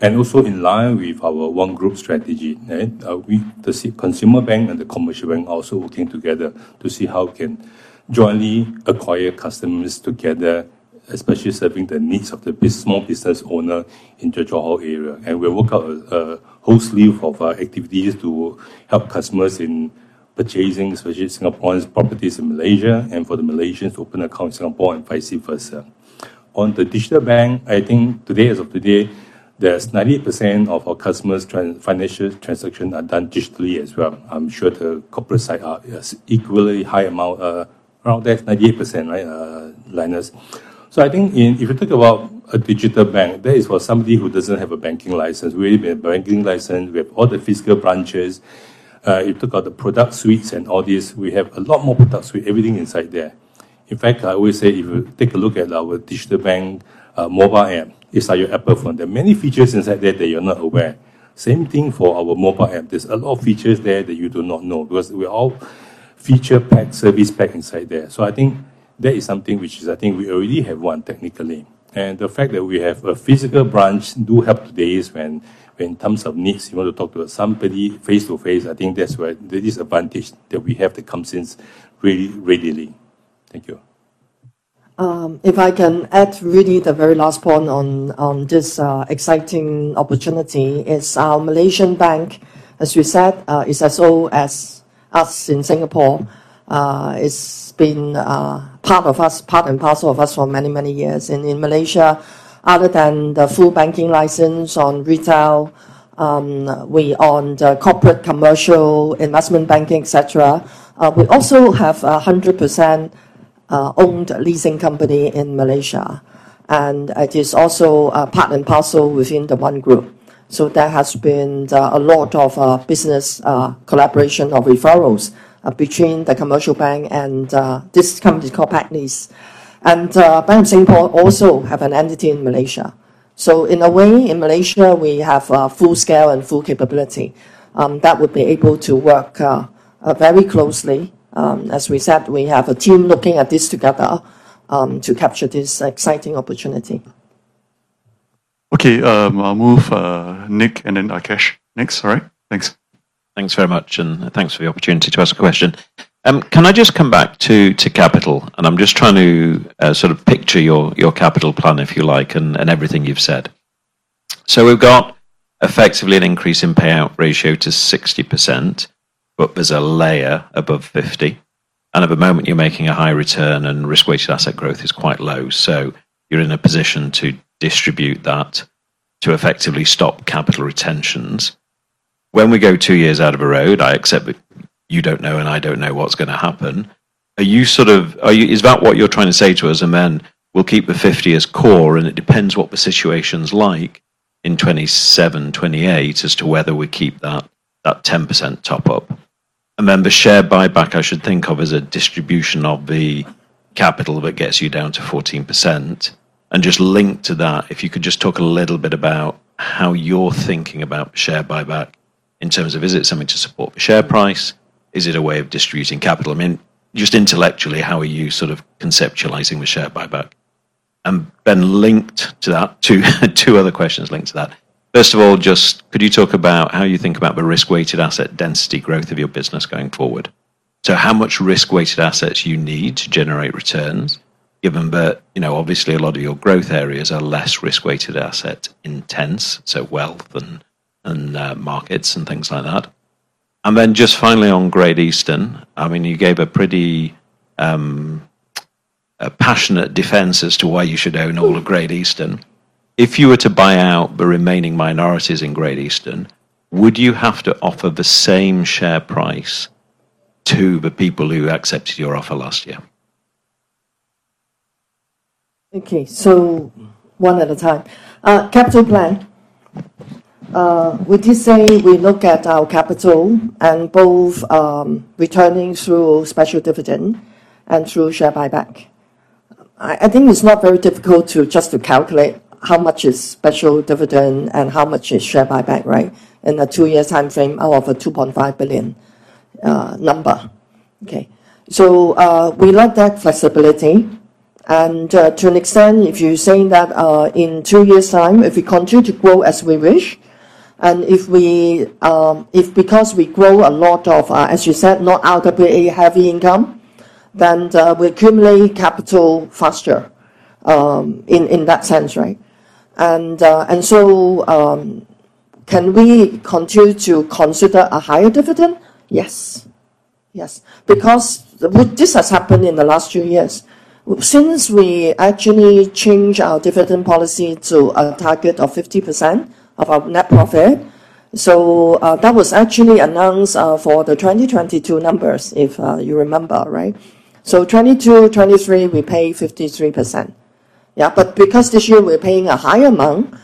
Also in line with our one-group strategy, the consumer bank and the commercial bank are also working together to see how we can jointly acquire customers together, especially serving the needs of the small business owner in the Johor area. We'll work out a whole slew of activities to help customers in purchasing, especially Singaporean properties in Malaysia, and for the Malaysians to open accounts in Singapore and vice versa. On the digital bank, I think today, as of today, there's 98% of our customers' financial transactions are done digitally as well. I'm sure the corporate side is equally high amount, around 98%, Linus. I think if you think about a digital bank, that is for somebody who doesn't have a banking license. We already have a banking license. We have all the physical branches. You took out the product suites and all these. We have a lot more product suites, everything inside there. In fact, I always say if you take a look at our digital bank mobile app, it's like your Apple phone. There are many features inside there that you're not aware. Same thing for our mobile app. There's a lot of features there that you do not know because we're all feature-packed, service-packed inside there. So I think that is something which I think we already have one technically, and the fact that we have a physical branch does help today when in terms of needs, you want to talk to somebody face to face. I think that's where the disadvantage that we have that comes in really readily. Thank you. If I can add really the very last point on this exciting opportunity, it's our Malaysian bank, as you said, is as old as us in Singapore. It's been part of us, part and parcel of us for many, many years. And in Malaysia, other than the full banking license on retail, we own the corporate commercial investment banking, et cetera. We also have a 100% owned leasing company in Malaysia. And it is also a part and parcel within the One Group. So there has been a lot of business collaboration of referrals between the commercial bank and this company called Pac Lease. And Bank of Singapore also has an entity in Malaysia. So in a way, in Malaysia, we have full scale and full capability that would be able to work very closely. As we said, we have a team looking at this together to capture this exciting opportunity. Okay. I'll move Nick and then Aakash. Nick, sorry. Thanks. Thanks very much. And thanks for the opportunity to ask a question. Can I just come back to capital? I'm just trying to sort of picture your capital plan, if you like, and everything you've said. We've got effectively an increase in payout ratio to 60%, but there's a layer above 50%. At the moment, you're making a high return and risk-weighted asset growth is quite low. You're in a position to distribute that to effectively stop capital retentions. When we go two years down the road, I accept that you don't know and I don't know what's going to happen. Is that what you're trying to say to us? We'll keep the 50% as core, and it depends what the situation's like in 2027, 2028 as to whether we keep that 10% top-up. The share buyback, I should think of as a distribution of the capital that gets you down to 14%. And just link to that, if you could just talk a little bit about how you're thinking about share buyback in terms of, is it something to support the share price? Is it a way of distributing capital? I mean, just intellectually, how are you sort of conceptualizing the share buyback? And then linked to that, two other questions linked to that. First of all, just could you talk about how you think about the risk-weighted asset density growth of your business going forward? So how much risk-weighted assets you need to generate returns, given that obviously a lot of your growth areas are less risk-weighted asset intense, so wealth and markets and things like that. And then just finally on Great Eastern, I mean, you gave a pretty passionate defense as to why you should own all of Great Eastern. If you were to buy out the remaining minorities in Great Eastern, would you have to offer the same share price to the people who accepted your offer last year? Okay. So one at a time. Capital plan. Would you say we look at our capital and both returning through special dividend and through share buyback? I think it's not very difficult just to calculate how much is special dividend and how much is share buyback, right? In a two-year time frame, I'll offer 2.5 billion number. Okay. So we like that flexibility. And to an extent, if you're saying that in two years' time, if we continue to grow as we wish, and if we because we grow a lot of, as you said, not algebraically heavy income, then we accumulate capital faster in that sense, right? And so can we continue to consider a higher dividend? Yes. Yes. Because this has happened in the last two years. Since we actually changed our dividend policy to a target of 50% of our net profit, so that was actually announced for the 2022 numbers, if you remember, right? So 2022, 2023, we pay 53%. Yeah. But because this year we're paying a higher amount,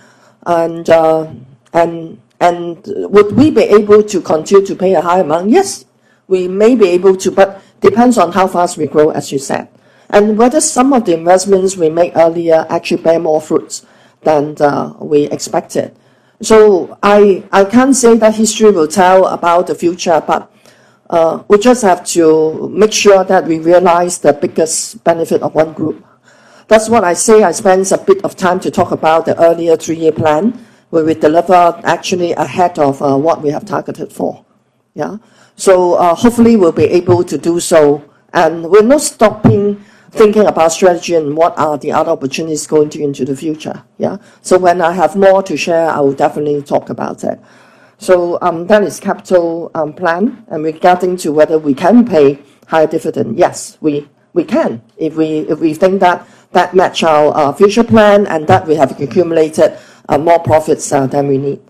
and would we be able to continue to pay a higher amount? Yes. We may be able to, but it depends on how fast we grow, as you said. And whether some of the investments we made earlier actually bear more fruits than we expected. So I can't say that history will tell about the future, but we just have to make sure that we realize the biggest benefit of One Group. That's what I say I spent a bit of time to talk about the earlier three-year plan, where we deliver actually ahead of what we have targeted for. Yeah? So hopefully we'll be able to do so. And we're not stopping thinking about strategy and what are the other opportunities going into the future. Yeah? So when I have more to share, I will definitely talk about that. So that is capital plan. And regarding to whether we can pay higher dividend, yes, we can if we think that that matches our future plan and that we have accumulated more profits than we need.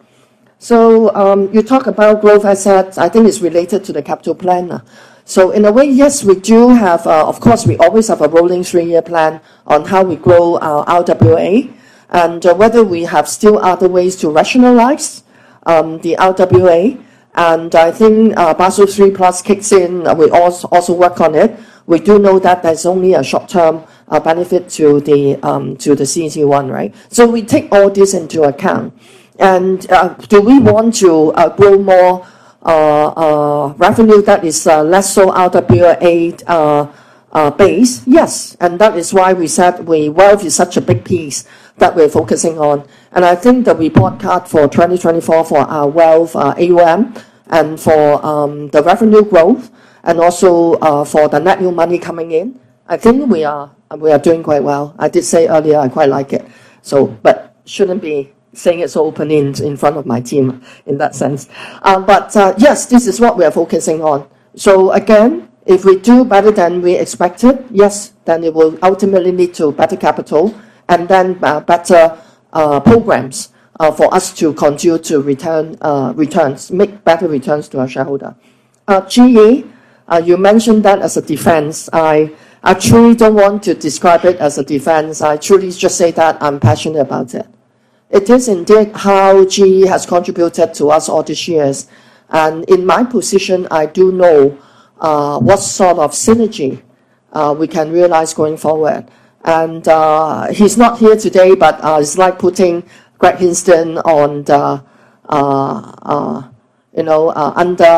So you talk about growth assets. I think it's related to the capital plan. So in a way, yes, we do have, of course, we always have a rolling three-year plan on how we grow our RWA and whether we have still other ways to rationalize the RWA. And I think Basel III Plus kicks in. We also work on it. We do know that there's only a short-term benefit to the CET1, right? So we take all this into account. And do we want to grow more revenue that is less so RWA-based? Yes. And that is why we said wealth is such a big piece that we're focusing on. And I think the report card for 2024 for our wealth AUM and for the revenue growth and also for the net new money coming in, I think we are doing quite well. I did say earlier I quite like it. But shouldn't be saying it's opening in front of my team in that sense. But yes, this is what we are focusing on. So again, if we do better than we expected, yes, then it will ultimately lead to better capital and then better programs for us to continue to return returns, make better returns to our shareholder. GE, you mentioned that as a defense. I truly don't want to describe it as a defense. I truly just say that I'm passionate about it. It is indeed how GE has contributed to us all these years. And in my position, I do know what sort of synergy we can realize going forward. And he's not here today, but it's like putting Khor Hock Seng under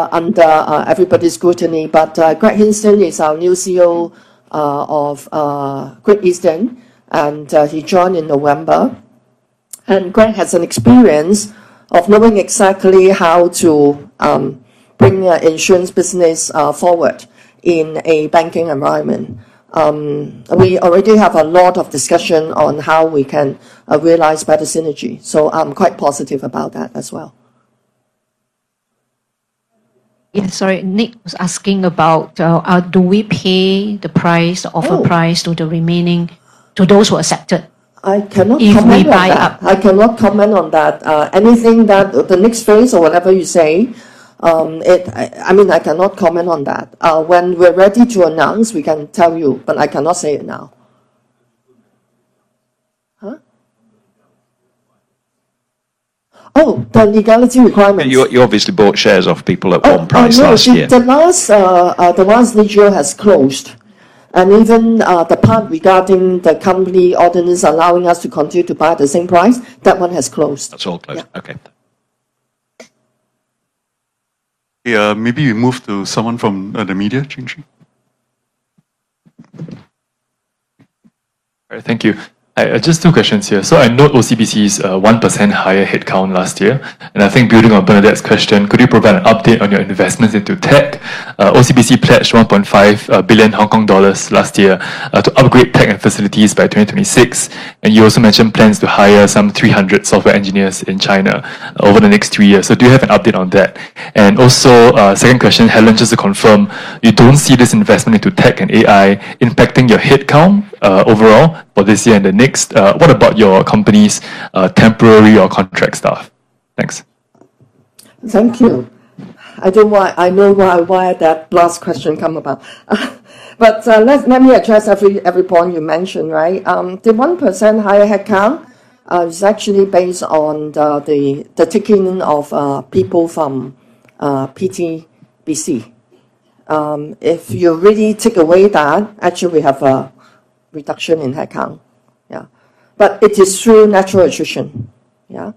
everybody's scrutiny. But Khor Hock Seng is our new CEO of Great Eastern, and he joined in November. Khor has an experience of knowing exactly how to bring an insurance business forward in a banking environment. We already have a lot of discussion on how we can realize better synergy. I'm quite positive about that as well. Yeah. Sorry. Nick was asking about, do we pay the price offer price to the remaining to those who are accepted? I cannot comment on that. I cannot comment on that. Anything that the Nick's phrase or whatever you say, I mean, I cannot comment on that. When we're ready to announce, we can tell you, but I cannot say it now. Huh? Oh, the legality requirements. You obviously bought shares off people at one price last year. The last legal has closed. Even the part regarding the company ordinance allowing us to continue to buy at the same price, that one has closed. That's all closed. Okay. Maybe we move to someone from the media, Chin Yee. All right. Thank you. Just two questions here. So I note OCBC's 1% higher headcount last year, and I think building on Bernadette's question, could you provide an update on your investments into tech? OCBC pledged 1.5 billion Hong Kong dollars last year to upgrade tech and facilities by 2026, and you also mentioned plans to hire some 300 software engineers in China over the next three years. So do you have an update on that? And also, second question, Helen, just to confirm, you don't see this investment into tech and AI impacting your headcount overall for this year and the next? What about your company's temporary or contract staff? Thanks. Thank you. I know why that last question came about, but let me address every point you mentioned, right? The 1% higher headcount is actually based on the taking of people from PTBC. If you really take away that, actually, we have a reduction in headcount. Yeah. But it is through natural attrition. Yeah.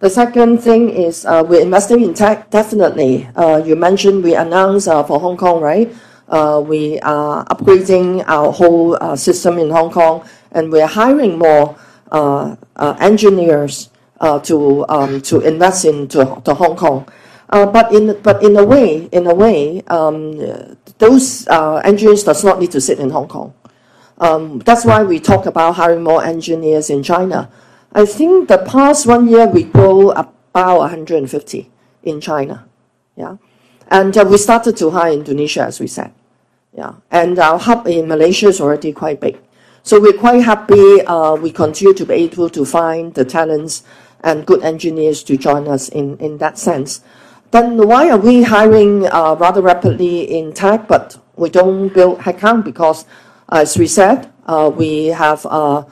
The second thing is we're investing in tech, definitely. You mentioned we announced for Hong Kong, right? We are upgrading our whole system in Hong Kong, and we're hiring more engineers to invest into Hong Kong. But in a way, those engineers do not need to sit in Hong Kong. That's why we talk about hiring more engineers in China. I think the past one year, we grew about 150 in China. Yeah. And we started to hire in Indonesia, as we said. Yeah. And our hub in Malaysia is already quite big. So we're quite happy we continue to be able to find the talents and good engineers to join us in that sense. Then why are we hiring rather rapidly in tech, but we don't build headcount? Because, as we said, we have done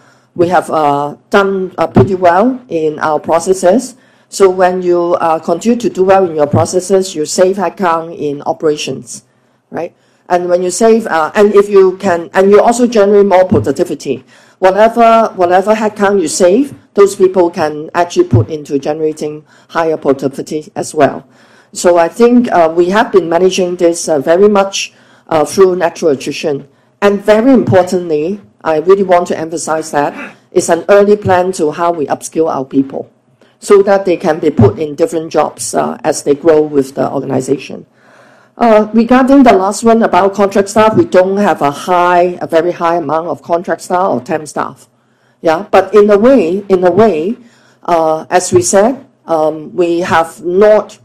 pretty well in our processes. So when you continue to do well in your processes, you save headcount in operations, right? And when you save, and if you can, and you also generate more productivity. Whatever headcount you save, those people can actually put into generating higher productivity as well. So I think we have been managing this very much through natural attrition. And very importantly, I really want to emphasize that it's an early plan to how we upskill our people so that they can be put in different jobs as they grow with the organization. Regarding the last one about contract staff, we don't have a very high amount of contract staff or temp staff. Yeah. But in a way, as we said, we have not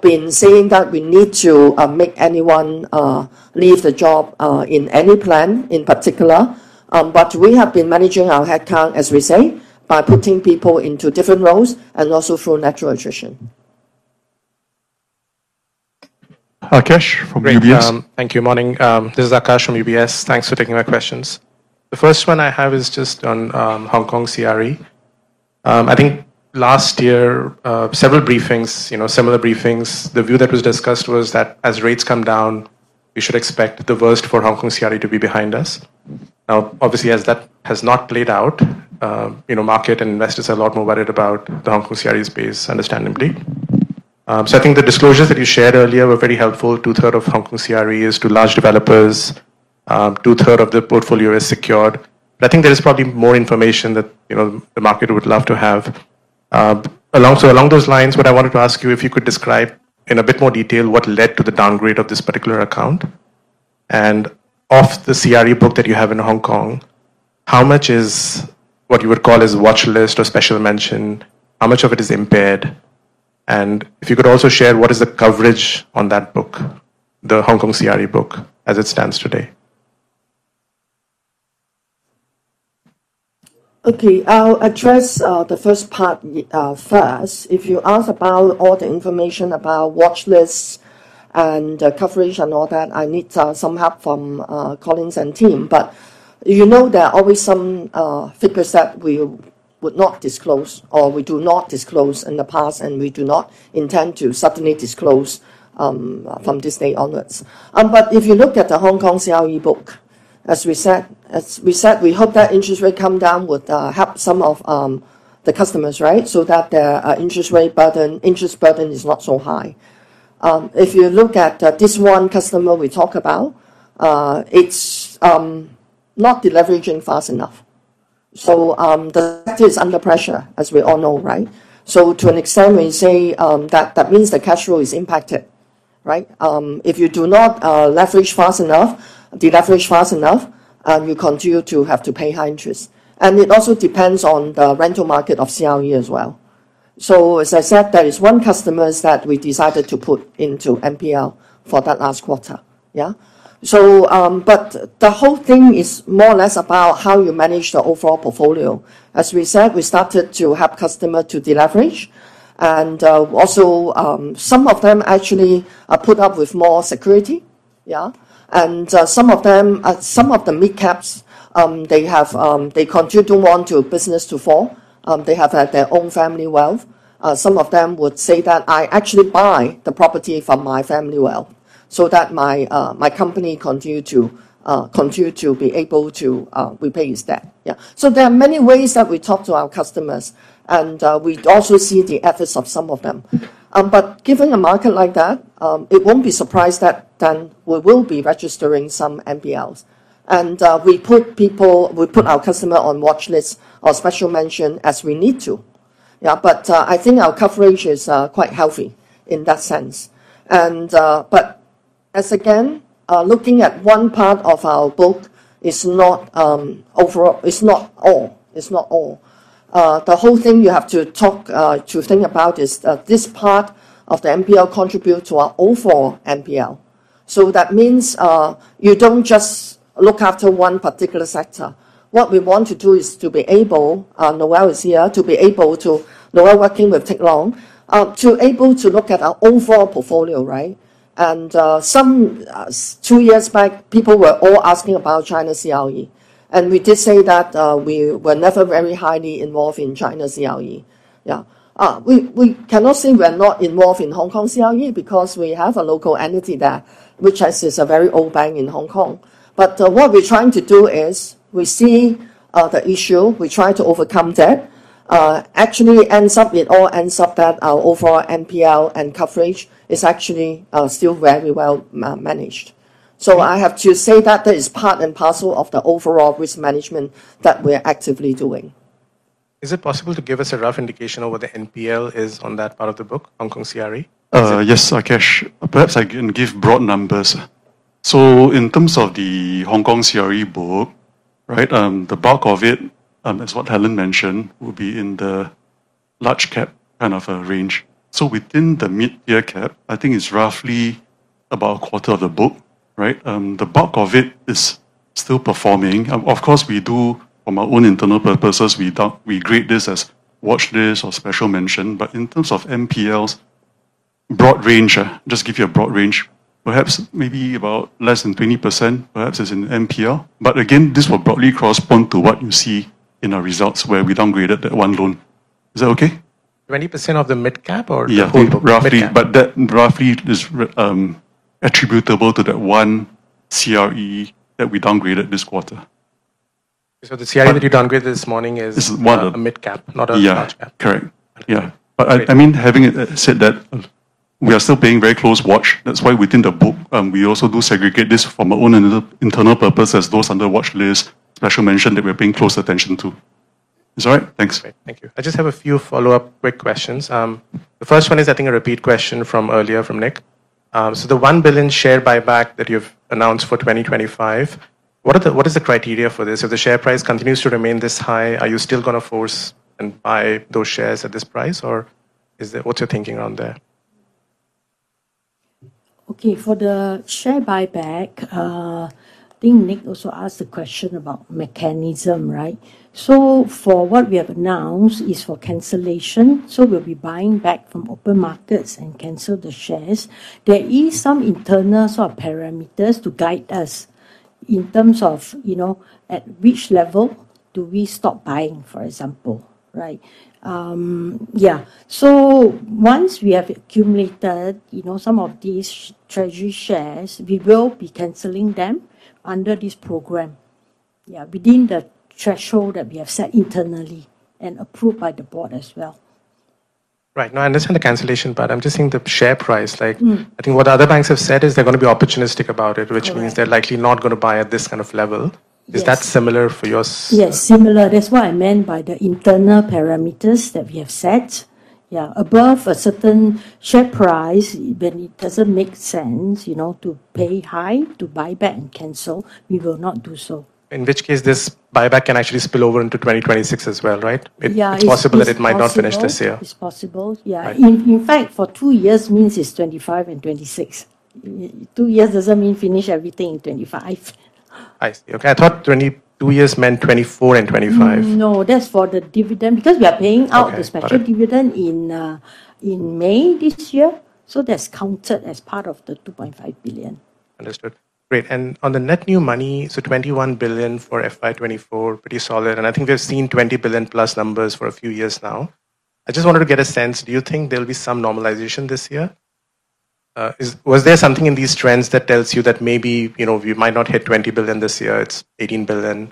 been saying that we need to make anyone leave the job in any plan in particular. But we have been managing our headcount, as we say, by putting people into different roles and also through natural attrition. Aakash from UBS. Thank you, morning. This is Aakash from UBS. Thanks for taking my questions. The first one I have is just on Hong Kong CRE. I think last year, several briefings, similar briefings, the view that was discussed was that as rates come down, we should expect the worst for Hong Kong CRE to be behind us. Now, obviously, as that has not played out, market and investors are a lot more worried about the Hong Kong CRE space, understandably. So I think the disclosures that you shared earlier were very helpful. 2/3 of Hong Kong CRE is to large developers. 2/3 of the portfolio is secured. But I think there is probably more information that the market would love to have. So along those lines, what I wanted to ask you is, if you could describe in a bit more detail what led to the downgrade of this particular account. And of the CRE book that you have in Hong Kong, how much is what you would call a watchlist or special mention? How much of it is impaired? And if you could also share what is the coverage on that book, the Hong Kong CRE book, as it stands today. Okay. I'll address the first part first. If you ask about all the information about watchlists and coverage and all that, I need some help from colleagues and team. But you know there are always some figures that we would not disclose or we do not disclose in the past, and we do not intend to suddenly disclose from this day onwards. But if you look at the Hong Kong CRE book, as we said, we hope that interest rate come down would help some of the customers, right, so that their interest rate burden is not so high. If you look at this one customer we talk about, it's not deleveraging fast enough. So the sector is under pressure, as we all know, right? So to an extent, when you say that, that means the cash flow is impacted, right? If you do not leverage fast enough, deleverage fast enough, you continue to have to pay high interest. And it also depends on the rental market of CRE as well. So as I said, there is one customer that we decided to put into NPL for that last quarter. Yeah? But the whole thing is more or less about how you manage the overall portfolio. As we said, we started to help customers to deleverage. And also, some of them actually are put up with more security. Yeah? And some of the mid-caps, they continue to want business to fall. They have their own family wealth. Some of them would say that I actually buy the property from my family wealth so that my company continues to be able to repay its debt. Yeah? So there are many ways that we talk to our customers, and we also see the efforts of some of them. But given a market like that, it won't be surprised that then we will be registering some NPLs. And we put our customers on watchlists or special mention as we need to. Yeah? But I think our coverage is quite healthy in that sense. But again, looking at one part of our book is not all. It's not all. The whole thing you have to think about is this part of the NPL contributes to our overall NPL. So that means you don't just look after one particular sector. What we want to do is to be able, Noel is here, to be able to, Noel working with Teck Long, to be able to look at our overall portfolio, right? And two years back, people were all asking about China CRE. And we did say that we were never very highly involved in China CRE. Yeah? We cannot say we're not involved in Hong Kong CRE because we have a local entity there, which is a very old bank in Hong Kong. But what we're trying to do is we see the issue, we try to overcome that. Actually, it all ends up that our overall NPL and coverage is actually still very well managed. So I have to say that that is part and parcel of the overall risk management that we're actively doing. Is it possible to give us a rough indication of what the NPL is on that part of the book, Hong Kong CRE? Yes, Aakash. Perhaps I can give broad numbers. So in terms of the Hong Kong CRE book, right, the bulk of it, as what Helen mentioned, will be in the large cap kind of range. So within the mid-cap, I think it's roughly about a quarter of the book, right? The bulk of it is still performing. Of course, we do, from our own internal purposes, we grade this as watchlists or special mention. But in terms of NPLs, broad range, just give you a broad range. Perhaps maybe about less than 20%, perhaps it's in the NPL. But again, this will broadly correspond to what you see in our results where we downgraded that one loan. Is that okay? 20% of the mid-cap or the whole book? Yeah, roughly. But that roughly is attributable to that one CRE that we downgraded this quarter. So the CRE that you downgraded this morning is a mid-cap, not a large cap? Yeah, correct. Yeah. But I mean, having said that, we are still keeping very close watch. That's why, within the book, we also do segregate this from our own internal purpose as those under watchlist, special mention that we're paying close attention to. Is that all right? Thanks. Thank you. I just have a few follow-up quick questions. The first one is, I think, a repeat question from earlier from Nick. So the one billion share buyback that you've announced for 2025, what is the criteria for this? If the share price continues to remain this high, are you still going to force and buy those shares at this price? Or what's your thinking around there? Okay. For the share buyback, I think Nick also asked a question about mechanism, right? So for what we have announced is for cancellation. So we'll be buying back from open markets and cancel the shares. There are some internal sort of parameters to guide us in terms of at which level do we stop buying, for example, right? Yeah. So once we have accumulated some of these treasury shares, we will be canceling them under this program, yeah, within the threshold that we have set internally and approved by the board as well. Right. No, I understand the cancellation, but I'm just saying the share price. I think what other banks have said is they're going to be opportunistic about it, which means they're likely not going to buy at this kind of level. Is that similar for yours? Yes, similar. That's what I meant by the internal parameters that we have set. Yeah. Above a certain share price, when it doesn't make sense to pay high to buy back and cancel, we will not do so. In which case this buyback can actually spill over into 2026 as well, right? It's possible that it might not finish this year. It's possible. Yeah. In fact, for two years means it's 2025 and 2026. Two years doesn't mean finish everything in 2025. I see. Okay. I thought two years meant 2024 and 2025. No, that's for the dividend because we are paying out the special dividend in May this year. So that's counted as part of the 2.5 billion. Understood. Great. And on the net new money, so 21 billion for FY 2024, pretty solid. And I think we've seen 20 billion-plus numbers for a few years now. I just wanted to get a sense, do you think there'll be some normalization this year? Was there something in these trends that tells you that maybe we might not hit 20 billion this year, it's 18 billion?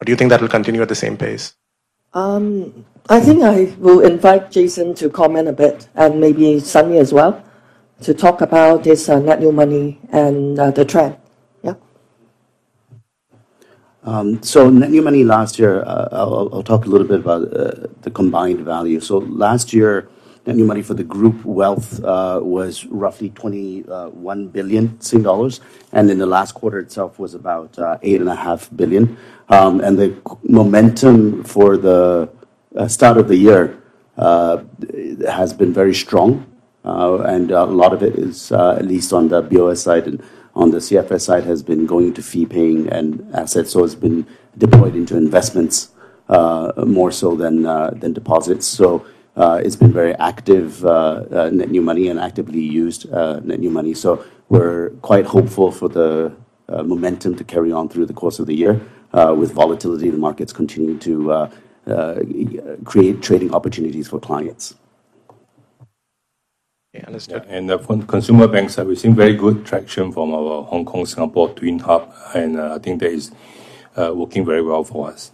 Or do you think that will continue at the same pace? I think I will invite Jason to comment a bit and maybe Sunny as well to talk about this net new money and the trend. Yeah. So net new money last year, I'll talk a little bit about the combined value. So last year, net new money for the group wealth was roughly 21 billion. And in the last quarter itself was about 8.5 billion. And the momentum for the start of the year has been very strong. And a lot of it is, at least on the BOS side and on the CFS side, has been going to fee-paying and assets. So it's been very active, net new money, and actively used net new money. So we're quite hopeful for the momentum to carry on through the course of the year with volatility in the markets continuing to create trading opportunities for clients. Okay. Understood. And for consumer banks, we've seen very good traction from our Hong Kong-Singapore twin hub. And I think that is working very well for us.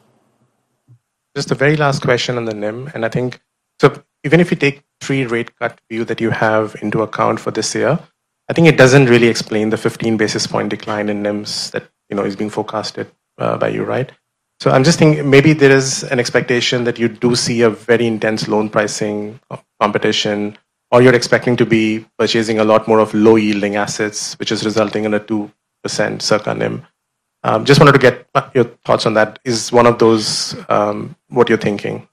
Just a very last question on the NIM. And I think, so even if you take three rate cut view that you have into account for this year, I think it doesn't really explain the 15 basis points decline in NIM that is being forecasted by you, right? So I'm just thinking maybe there is an expectation that you do see a very intense loan pricing competition, or you're expecting to be purchasing a lot more of low-yielding assets, which is resulting in a 2% compression in NIM. Just wanted to get your thoughts on that. Is one of those what you're thinking?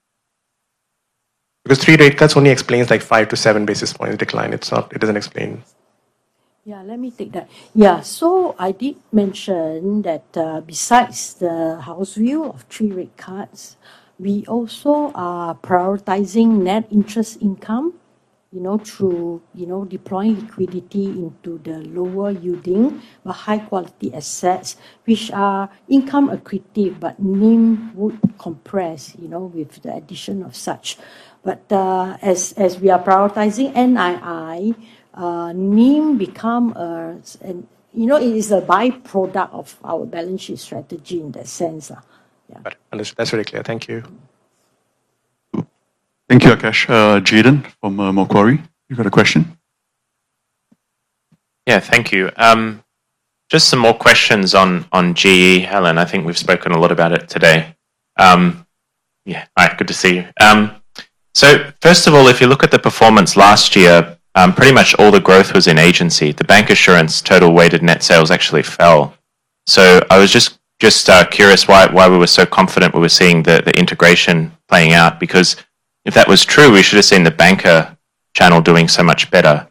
Because three rate cuts only explains like five to seven basis points decline. It doesn't explain. Yeah, let me take that. Yeah. So I did mention that besides the house view of three rate cuts, we also are prioritizing net interest income through deploying liquidity into the lower-yielding but high-quality assets, which are income-accretive, but NIM would compress with the addition of such. But as we are prioritizing NII, NIM becomes a byproduct of our balance sheet strategy in that sense. Yeah. That's very clear. Thank you. Thank you, Aakash. Jayden from Macquarie, you've got a question? Yeah, thank you. Just some more questions on GE, Helen. I think we've spoken a lot about it today. Yeah. All right. Good to see you. First of all, if you look at the performance last year, pretty much all the growth was in agency. The bancassurance total weighted net sales actually fell, so I was just curious why we were so confident we were seeing the integration playing out, because if that was true, we should have seen the banca channel doing so much better.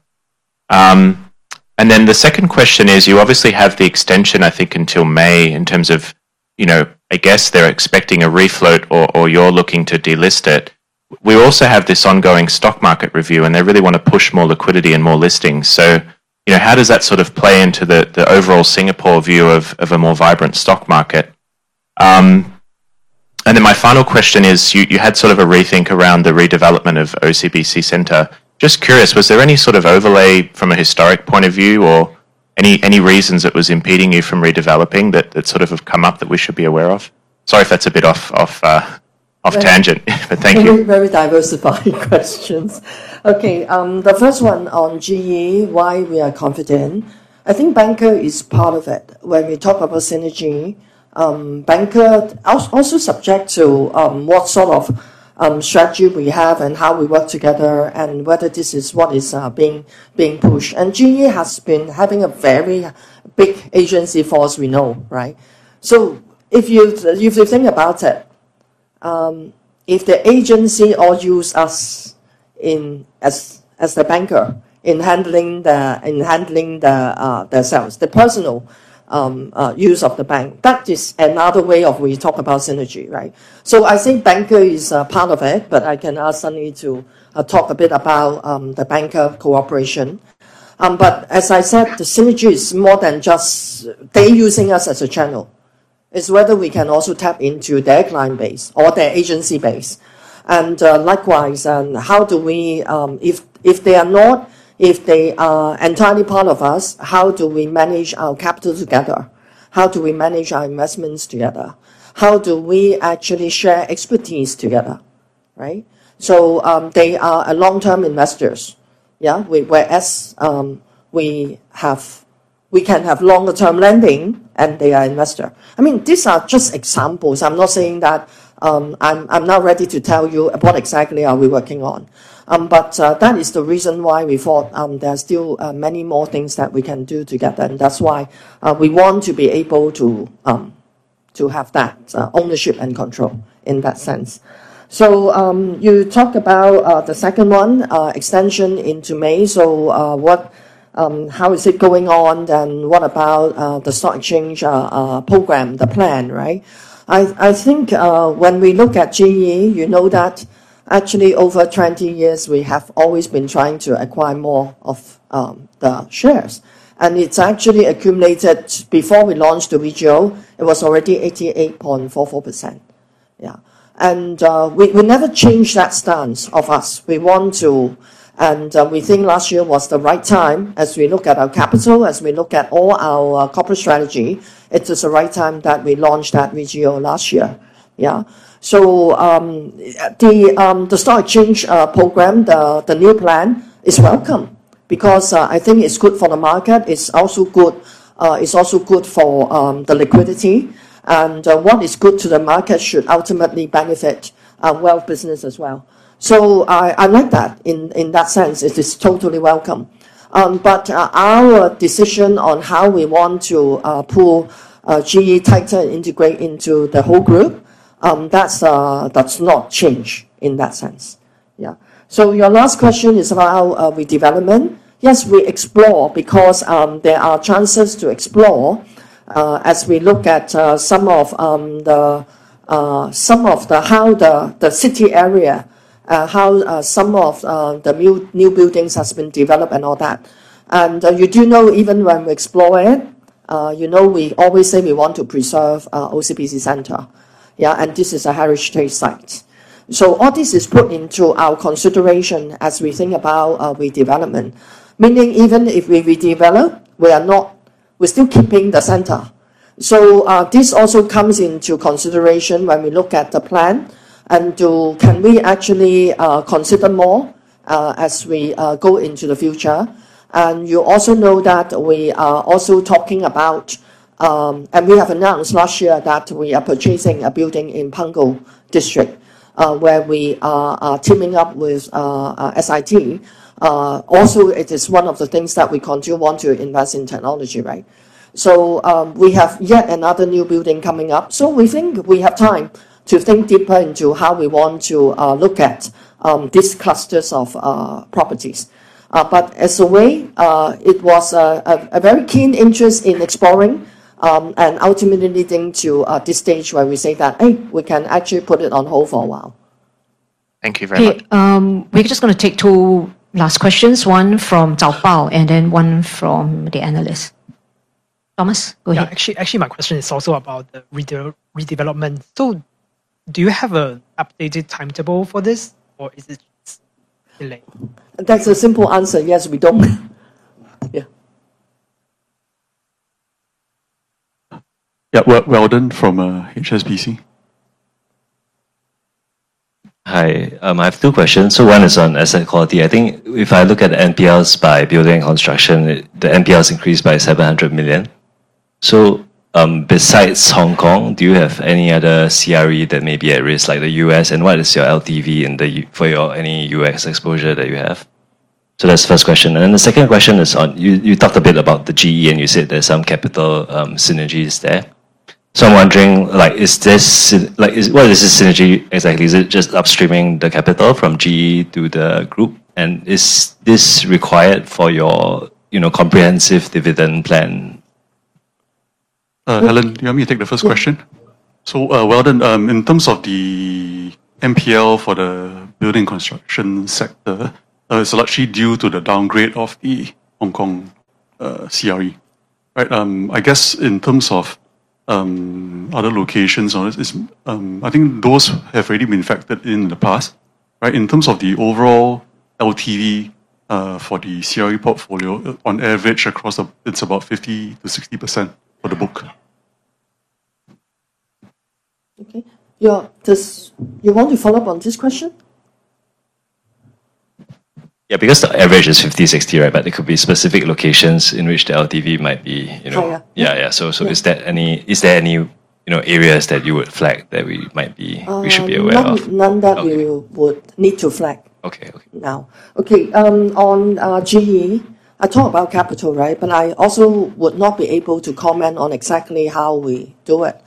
Then the second question is, you obviously have the extension, I think, until May in terms of, I guess they're expecting a refloat or you're looking to delist it. We also have this ongoing stock market review, and they really want to push more liquidity and more listings, so how does that sort of play into the overall Singapore view of a more vibrant stock market? Then my final question is, you had sort of a rethink around the redevelopment of OCBC Centre. Just curious, was there any sort of overlay from a historic point of view or any reasons it was impeding you from redeveloping that sort of have come up that we should be aware of? Sorry if that's a bit off tangent, but thank you. Very, very diversified questions. Okay. The first one on GE, why we are confident, I think banca is part of it. When we talk about synergy, banca also subject to what sort of strategy we have and how we work together and whether this is what is being pushed, and GE has been having a very big agency force, we know, right? So if you think about it, if the agency all use us as the banca in handling the sales, the personal use of the bank, that is another way of we talk about synergy, right? So I think banca is a part of it, but I can ask Sunny to talk a bit about the banca cooperation. But as I said, the synergy is more than just they using us as a channel. It's whether we can also tap into their client base or their agency base. And likewise, how do we, if they are not, if they are entirely part of us, how do we manage our capital together? How do we manage our investments together? How do we actually share expertise together, right? So they are long-term investors. Yeah? Whereas we can have longer-term lending and they are investors. I mean, these are just examples. I'm not saying that I'm not ready to tell you what exactly are we working on. But that is the reason why we thought there are still many more things that we can do together. And that's why we want to be able to have that ownership and control in that sense. So you talk about the second one, extension into May. So how is it going on? And what about the stock exchange program, the plan, right? I think when we look at GE, you know that actually over 20 years, we have always been trying to acquire more of the shares. And it's actually accumulated before we launched the VGO, it was already 88.44%. Yeah. And we never changed that stance of us. We want to, and we think last year was the right time as we look at our capital, as we look at all our corporate strategy. It was the right time that we launched that VGO last year. Yeah. So the stock exchange program, the new plan is welcome because I think it's good for the market. It's also good. It's also good for the liquidity, and what is good to the market should ultimately benefit wealth business as well, so I like that in that sense. It is totally welcome, but our decision on how we want to pull GE tighter and integrate into the whole group, that's not changed in that sense. Yeah, so your last question is about redevelopment. Yes, we explore because there are chances to explore as we look at some of the, how the city area, how some of the new buildings have been developed and all that, and you do know even when we explore it, we always say we want to preserve OCBC Centre. Yeah, and this is a heritage site, so all this is put into our consideration as we think about redevelopment, meaning even if we redevelop, we are not, we're still keeping the Centre. So this also comes into consideration when we look at the plan and can we actually consider more as we go into the future, and you also know that we are also talking about, and we have announced last year that we are purchasing a building in Punggol District where we are teaming up with SIT, also it is one of the things that we continue want to invest in technology, right? We have yet another new building coming up, so we think we have time to think deeper into how we want to look at these clusters of properties, but as a way, it was a very keen interest in exploring and ultimately leading to this stage where we say that, hey, we can actually put it on hold for a while. Thank you very much. Okay. We're just going to take two last questions, one from Zaobao and then one from the analyst. Thomas, go ahead. Actually, my question is also about the redevelopment. So do you have an updated timetable for this or is it delayed? That's a simple answer. Yes, we don't. Yeah. Yeah. Weldon from HSBC. Hi. I have two questions. So one is on asset quality. I think if I look at NPLs by building and construction, the NPLs increased by 700 million. So besides Hong Kong, do you have any other CRE that may be at risk like the U.S.? And what is your LTV for any U.S. exposure that you have? So that's the first question. And then the second question is on, you talked a bit about the GE and you said there's some capital synergies there. So I'm wondering, what is this synergy exactly? Is it just upstreaming the capital from GE to the group? And is this required for your comprehensive dividend plan? Helen, you take the first question. So Weldon, in terms of the NPL for the building construction sector, it's largely due to the downgrade of the Hong Kong CRE, right? I guess in terms of other locations, I think those have already been factored in the past, right? In terms of the overall LTV for the CRE portfolio, on average across the, it's about 50%-60% for the book. Okay. You want to follow up on this question? Yeah, because the average is 50-60, right? But there could be specific locations in which the LTV might be. Yeah, yeah. So is there any areas that you would flag that we should be aware of? None that we would need to flag now. Okay. On GE, I talk about capital, right? But I also would not be able to comment on exactly how we do it.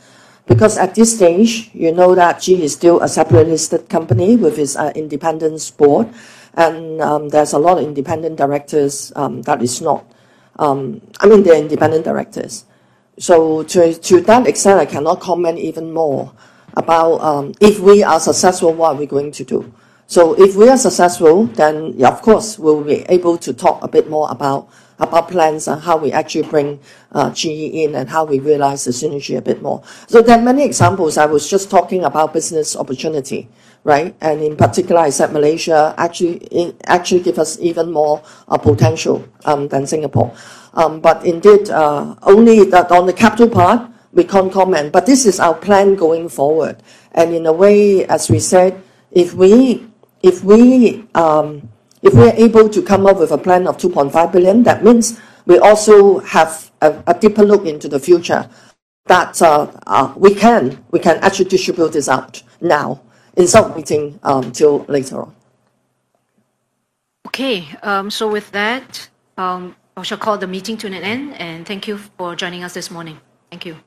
Because at this stage, you know that GE is still a separate listed company with its independent board. And there's a lot of independent directors that is not, I mean, they're independent directors. So to that extent, I cannot comment even more about if we are successful, what are we going to do? So if we are successful, then yeah, of course, we'll be able to talk a bit more about plans and how we actually bring GE in and how we realize the synergy a bit more. So there are many examples. I was just talking about business opportunity, right? And in particular, I said Malaysia actually gives us even more potential than Singapore. But indeed, only on the capital part, we can't comment. But this is our plan going forward. And in a way, as we said, if we are able to come up with a plan of 2.5 billion, that means we also have a deeper look into the future that we can actually distribute this out now instead of waiting till later on. Okay. So with that, I should call the meeting to an end. And thank you for joining us this morning. Thank you.